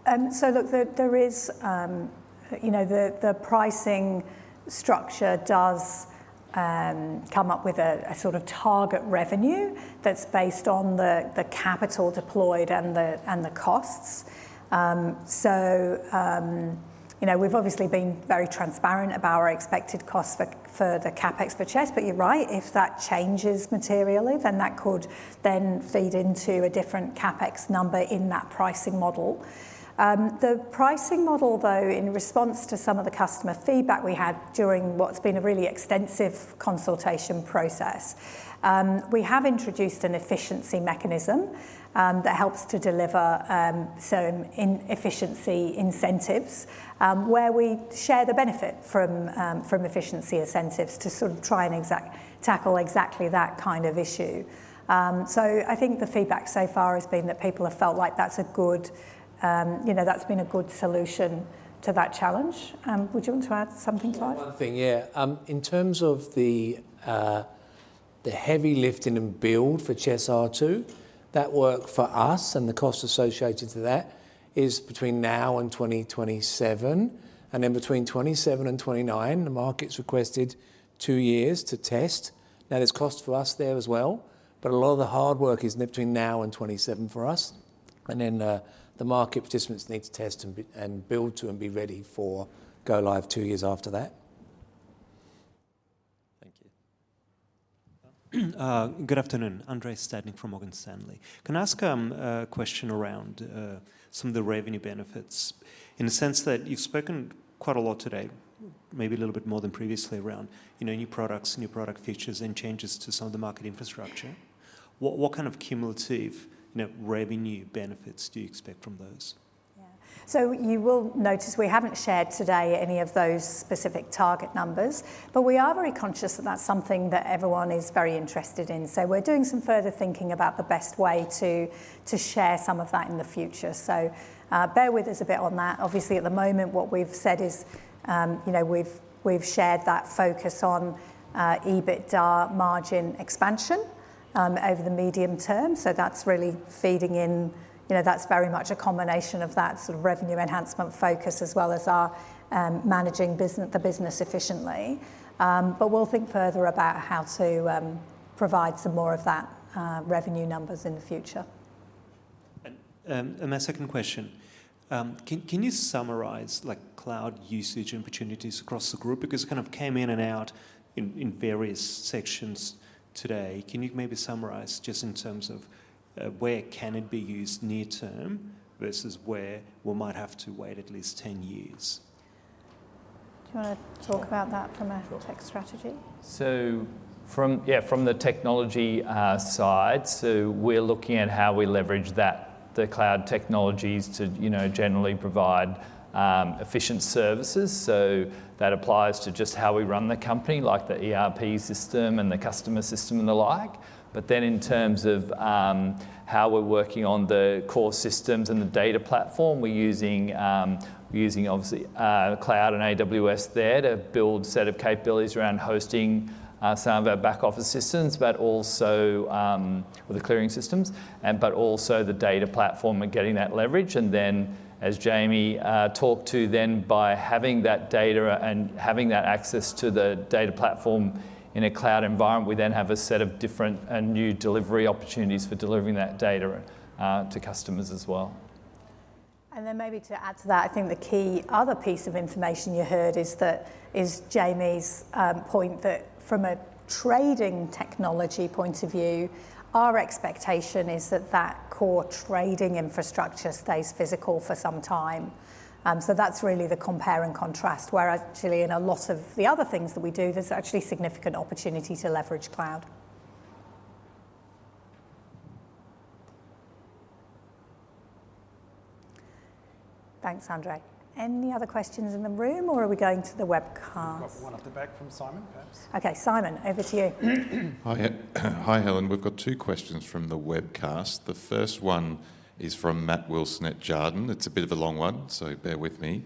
Look, the pricing structure does come up with a sort of target revenue that's based on the capital deployed and the costs. We've obviously been very transparent about our expected costs for the CapEx for CHESS, but you're right, if that changes materially, then that could then feed into a different CapEx number in that pricing model. The pricing model, though, in response to some of the customer feedback we had during what's been a really extensive consultation process, we have introduced an efficiency mechanism that helps to deliver some efficiency incentives, where we share the benefit from efficiency incentives to sort of try and tackle exactly that kind of issue. I think the feedback so far has been that people have felt like that's a good, that's been a good solution to that challenge. Would you want to add something to that? One thing, yeah. In terms of the heavy lifting and build for CHESS R2, that work for us and the cost associated to that is between now and 2027. Between 2027 and 2029, the market's requested two years to test. Now, there's cost for us there as well, but a lot of the hard work is between now and 2027 for us. The market participants need to test and build to and be ready for go-live two years after that. Thank you. Good afternoon. Andrei Stadnik from Morgan Stanley. Can I ask a question around some of the revenue benefits in the sense that you've spoken quite a lot today, maybe a little bit more than previously around new products, new product features, and changes to some of the market infrastructure? What kind of cumulative revenue benefits do you expect from those? Yeah. You will notice we haven't shared today any of those specific target numbers, but we are very conscious that that's something that everyone is very interested in. We are doing some further thinking about the best way to share some of that in the future. Bear with us a bit on that. Obviously, at the moment, what we've said is we've shared that focus on EBITDA margin expansion over the medium term. That is really feeding in, that is very much a combination of that sort of revenue enhancement focus as well as our managing the business efficiently. We will think further about how to provide some more of that revenue numbers in the future. My second question, can you summarize cloud usage opportunities across the group? Because it kind of came in and out in various sections today. Can you maybe summarize just in terms of where can it be used near-term versus where we might have to wait at least 10 years? Do you want to talk about that from a tech strategy? Sure. Yeah, from the technology side, we're looking at how we leverage the cloud technologies to generally provide efficient services. That applies to just how we run the company, like the ERP system and the customer system and the like. In terms of how we're working on the core systems and the data platform, we're using obviously cloud and AWS there to build a set of capabilities around hosting some of our back-office systems, but also with the clearing systems, but also the data platform and getting that leverage. As Jamie talked to, by having that data and having that access to the data platform in a cloud environment, we then have a set of different new delivery opportunities for delivering that data to customers as well. Maybe to add to that, I think the key other piece of information you heard is Jamie's point that from a trading technology point of view, our expectation is that that core trading infrastructure stays physical for some time. That is really the compare and contrast, where actually in a lot of the other things that we do, there is actually significant opportunity to leverage cloud. Thanks, Andrei. Any other questions in the room, or are we going to the webcast? Probably one off the back from Simon, perhaps. Okay, Simon, over to you. Hi, Helen. We've got two questions from the webcast. The first one is from Matt Wilson at Jarden. It's a bit of a long one, so bear with me.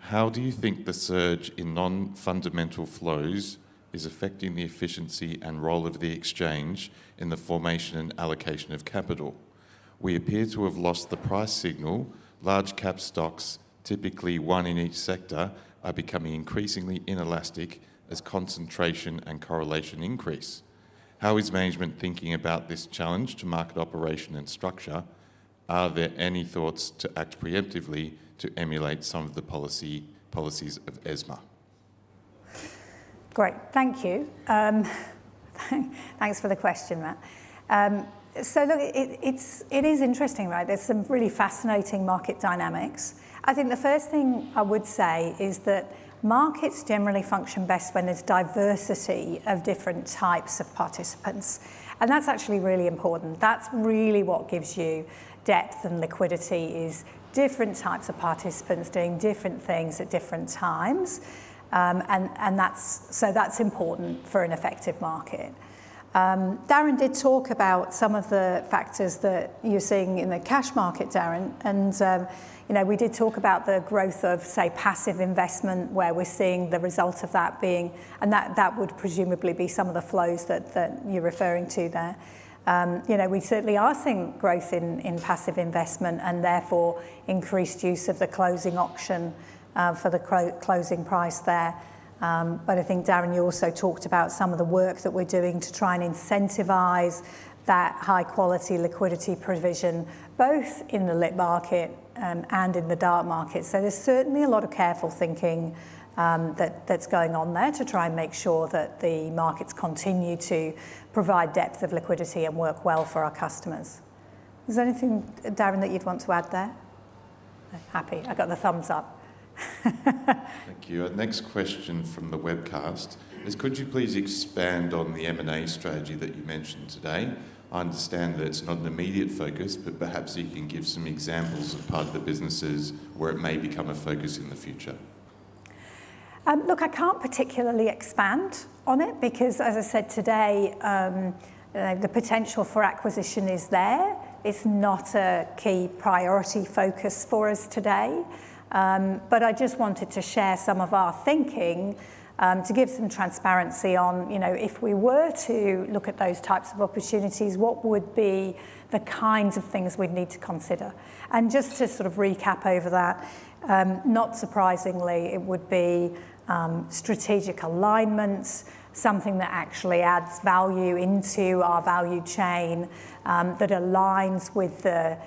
How do you think the surge in non-fundamental flows is affecting the efficiency and role of the exchange in the formation and allocation of capital? We appear to have lost the price signal. Large-cap stocks, typically one in each sector, are becoming increasingly inelastic as concentration and correlation increase. How is management thinking about this challenge to market operation and structure? Are there any thoughts to act preemptively to emulate some of the policies of ESMA? Great. Thank you. Thanks for the question, Matt. Look, it is interesting, right? There are some really fascinating market dynamics. I think the first thing I would say is that markets generally function best when there is diversity of different types of participants. That is actually really important. That is really what gives you depth and liquidity, is different types of participants doing different things at different times. That is important for an effective market. Darren did talk about some of the factors that you are seeing in the cash market, Darren, and we did talk about the growth of, say, passive investment, where we are seeing the result of that being, and that would presumably be some of the flows that you are referring to there. We certainly are seeing growth in passive investment and therefore increased use of the closing auction for the closing price there. I think, Darren, you also talked about some of the work that we're doing to try and incentivize that high-quality liquidity provision, both in the lit market and in the dark market. There is certainly a lot of careful thinking that's going on there to try and make sure that the markets continue to provide depth of liquidity and work well for our customers. Is there anything, Darren, that you'd want to add there? Happy. I got the thumbs up. Thank you. Next question from the webcast is, could you please expand on the M&A strategy that you mentioned today? I understand that it's not an immediate focus, but perhaps you can give some examples of part of the businesses where it may become a focus in the future. Look, I can't particularly expand on it because, as I said today, the potential for acquisition is there. It's not a key priority focus for us today. I just wanted to share some of our thinking to give some transparency on if we were to look at those types of opportunities, what would be the kinds of things we'd need to consider. Just to sort of recap over that, not surprisingly, it would be strategic alignments, something that actually adds value into our value chain that aligns with the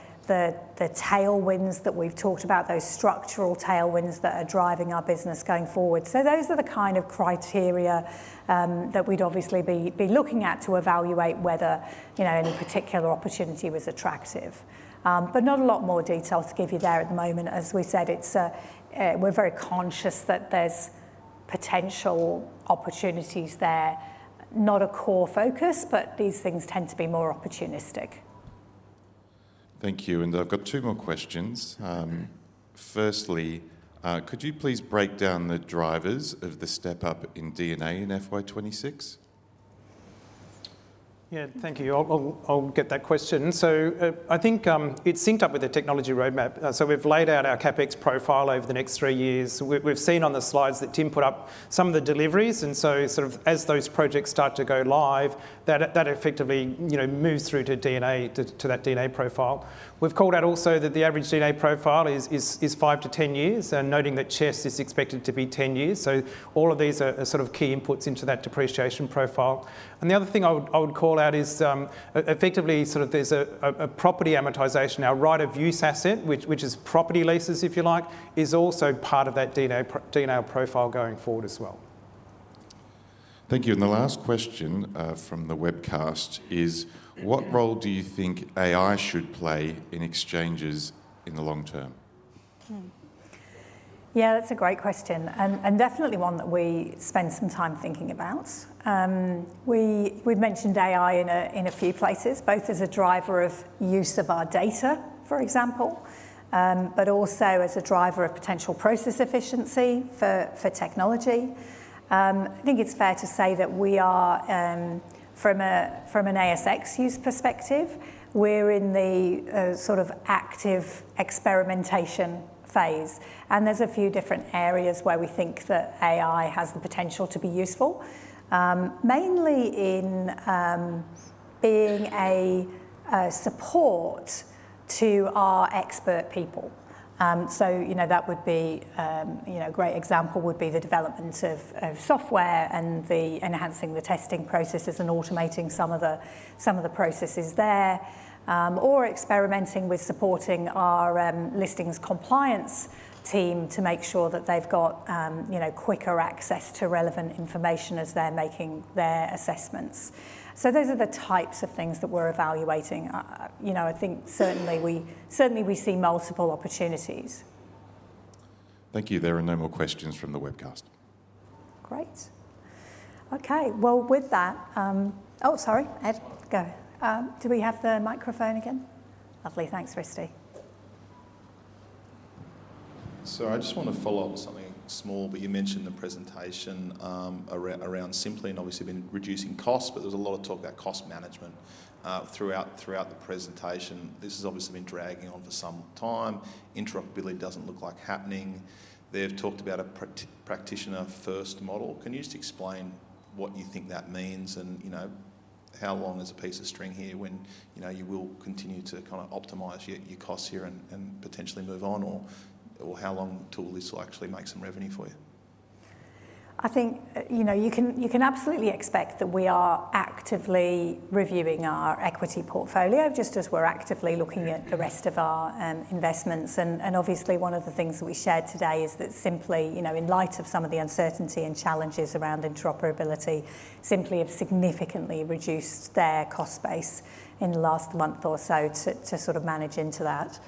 tailwinds that we've talked about, those structural tailwinds that are driving our business going forward. Those are the kind of criteria that we'd obviously be looking at to evaluate whether any particular opportunity was attractive. Not a lot more detail to give you there at the moment. As we said, we're very conscious that there's potential opportunities there, not a core focus, but these things tend to be more opportunistic. Thank you. I have got two more questions. Firstly, could you please break down the drivers of the step-up in depreciation and amortization in FY26? Yeah, thank you. I'll get that question. I think it's synced up with the technology roadmap. We've laid out our CapEx profile over the next three years. We've seen on the slides that Tim put up some of the deliveries. As those projects start to go live, that effectively moves through to that DNA profile. We've called out also that the average DNA profile is 5-10 years, noting that CHESS is expected to be 10 years. All of these are key inputs into that depreciation profile. The other thing I would call out is effectively there's a property amortization, our right of use asset, which is property leases, if you like, is also part of that DNA profile going forward as well. Thank you. The last question from the webcast is, what role do you think AI should play in exchanges in the long term? Yeah, that's a great question and definitely one that we spend some time thinking about. We've mentioned AI in a few places, both as a driver of use of our data, for example, but also as a driver of potential process efficiency for technology. I think it's fair to say that we are, from an ASX use perspective, we're in the sort of active experimentation phase. There's a few different areas where we think that AI has the potential to be useful, mainly in being a support to our expert people. A great example would be the development of software and enhancing the testing processes and automating some of the processes there, or experimenting with supporting our listings compliance team to make sure that they've got quicker access to relevant information as they're making their assessments. Those are the types of things that we're evaluating. I think certainly we see multiple opportunities. Thank you. There are no more questions from the webcast. Great. Okay. With that, oh, sorry, Ed, go. Do we have the microphone again? Lovely. Thanks, Risty. I just want to follow up with something small, but you mentioned the presentation around simply and obviously been reducing costs, but there was a lot of talk about cost management throughout the presentation. This has obviously been dragging on for some time. Interoperability does not look like happening. They have talked about a practitioner-first model. Can you just explain what you think that means and how long is a piece of string here when you will continue to kind of optimize your costs here and potentially move on, or how long until this will actually make some revenue for you? I think you can absolutely expect that we are actively reviewing our equity portfolio just as we're actively looking at the rest of our investments. Obviously, one of the things that we shared today is that, simply, in light of some of the uncertainty and challenges around interoperability, they have significantly reduced their cost base in the last month or so to sort of manage into that.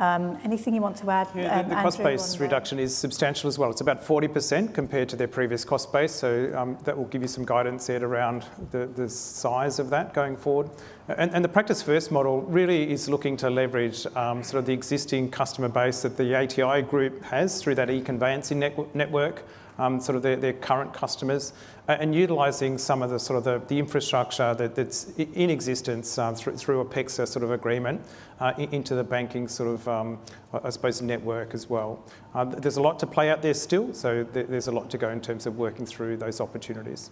Anything you want to add? Yeah, the cost base reduction is substantial as well. It's about 40% compared to their previous cost base. That will give you some guidance there around the size of that going forward. The practice-first model really is looking to leverage sort of the existing customer base that the ATI group has through that e-conveyancing network, sort of their current customers, and utilizing some of the sort of the infrastructure that's in existence through a PEX sort of agreement into the banking sort of, I suppose, network as well. There's a lot to play out there still, so there's a lot to go in terms of working through those opportunities.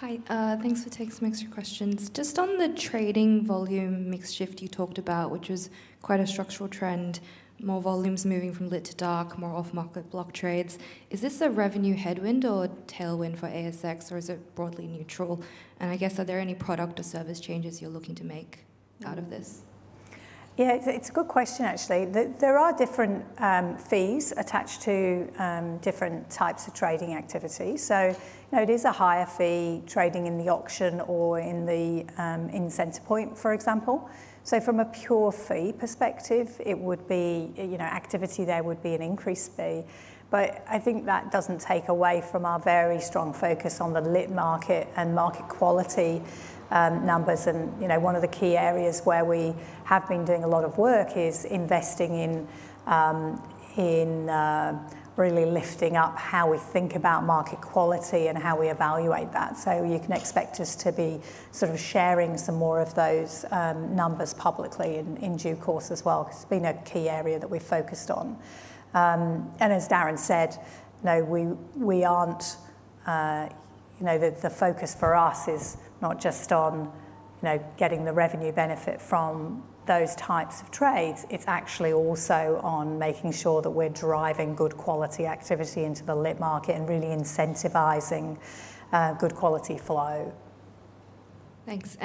Hi, thanks for taking some extra questions. Just on the trading volume mix shift you talked about, which was quite a structural trend, more volumes moving from lit to dark, more off-market block trades, is this a revenue headwind or tailwind for ASX, or is it broadly neutral? I guess, are there any product or service changes you're looking to make out of this? Yeah, it's a good question, actually. There are different fees attached to different types of trading activity. It is a higher fee trading in the auction or in Centrepoint, for example. From a pure fee perspective, activity there would be an increased fee. I think that does not take away from our very strong focus on the lit market and market quality numbers. One of the key areas where we have been doing a lot of work is investing in really lifting up how we think about market quality and how we evaluate that. You can expect us to be sort of sharing some more of those numbers publicly in due course as well. It has been a key area that we have focused on. As Darren said, the focus for us is not just on getting the revenue benefit from those types of trades. It's actually also on making sure that we're driving good quality activity into the lit market and really incentivizing good quality flow. Thanks.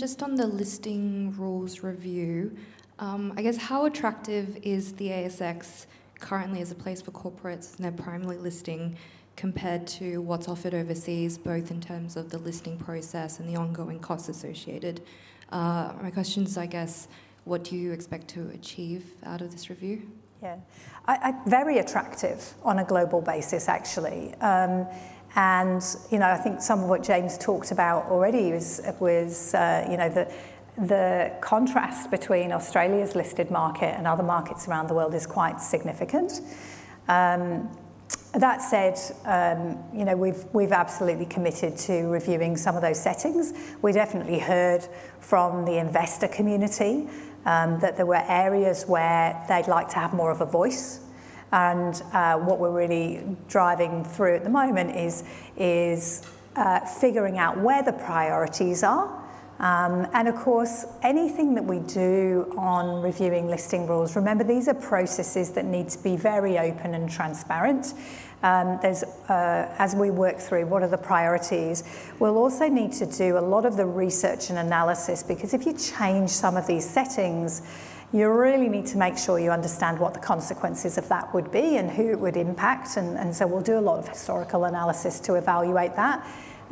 Just on the listing rules review, I guess, how attractive is the ASX currently as a place for corporates and their primary listing compared to what's offered overseas, both in terms of the listing process and the ongoing costs associated? My question is, I guess, what do you expect to achieve out of this review? Yeah, very attractive on a global basis, actually. I think some of what James talked about already was the contrast between Australia's listed market and other markets around the world is quite significant. That said, we've absolutely committed to reviewing some of those settings. We definitely heard from the investor community that there were areas where they'd like to have more of a voice. What we're really driving through at the moment is figuring out where the priorities are. Of course, anything that we do on reviewing listing rules, remember, these are processes that need to be very open and transparent. As we work through what are the priorities, we'll also need to do a lot of the research and analysis because if you change some of these settings, you really need to make sure you understand what the consequences of that would be and who it would impact. We'll do a lot of historical analysis to evaluate that.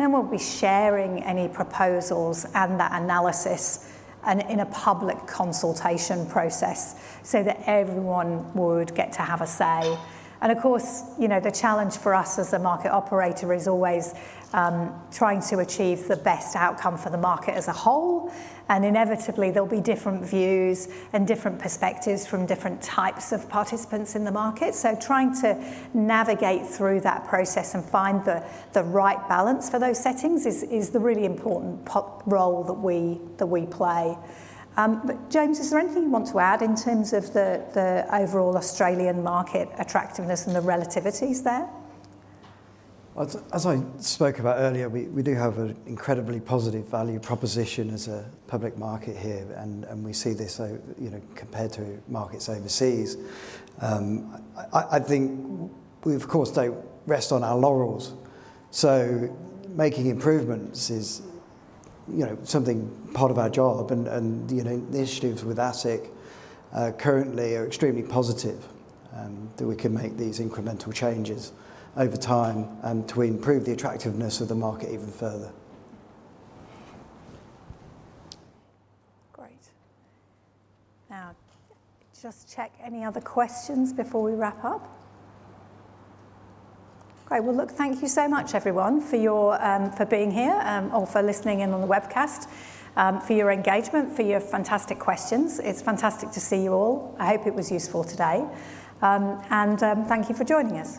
We'll be sharing any proposals and that analysis in a public consultation process so that everyone would get to have a say. Of course, the challenge for us as a market operator is always trying to achieve the best outcome for the market as a whole. Inevitably, there'll be different views and different perspectives from different types of participants in the market. Trying to navigate through that process and find the right balance for those settings is the really important role that we play. James, is there anything you want to add in terms of the overall Australian market attractiveness and the relativities there? As I spoke about earlier, we do have an incredibly positive value proposition as a public market here, and we see this compared to markets overseas. I think we, of course, do not rest on our laurels. Making improvements is something part of our job. The initiatives with ASIC currently are extremely positive that we can make these incremental changes over time to improve the attractiveness of the market even further. Great. Now, just check any other questions before we wrap up. Okay. Look, thank you so much, everyone, for being here or for listening in on the webcast, for your engagement, for your fantastic questions. It's fantastic to see you all. I hope it was useful today. Thank you for joining us.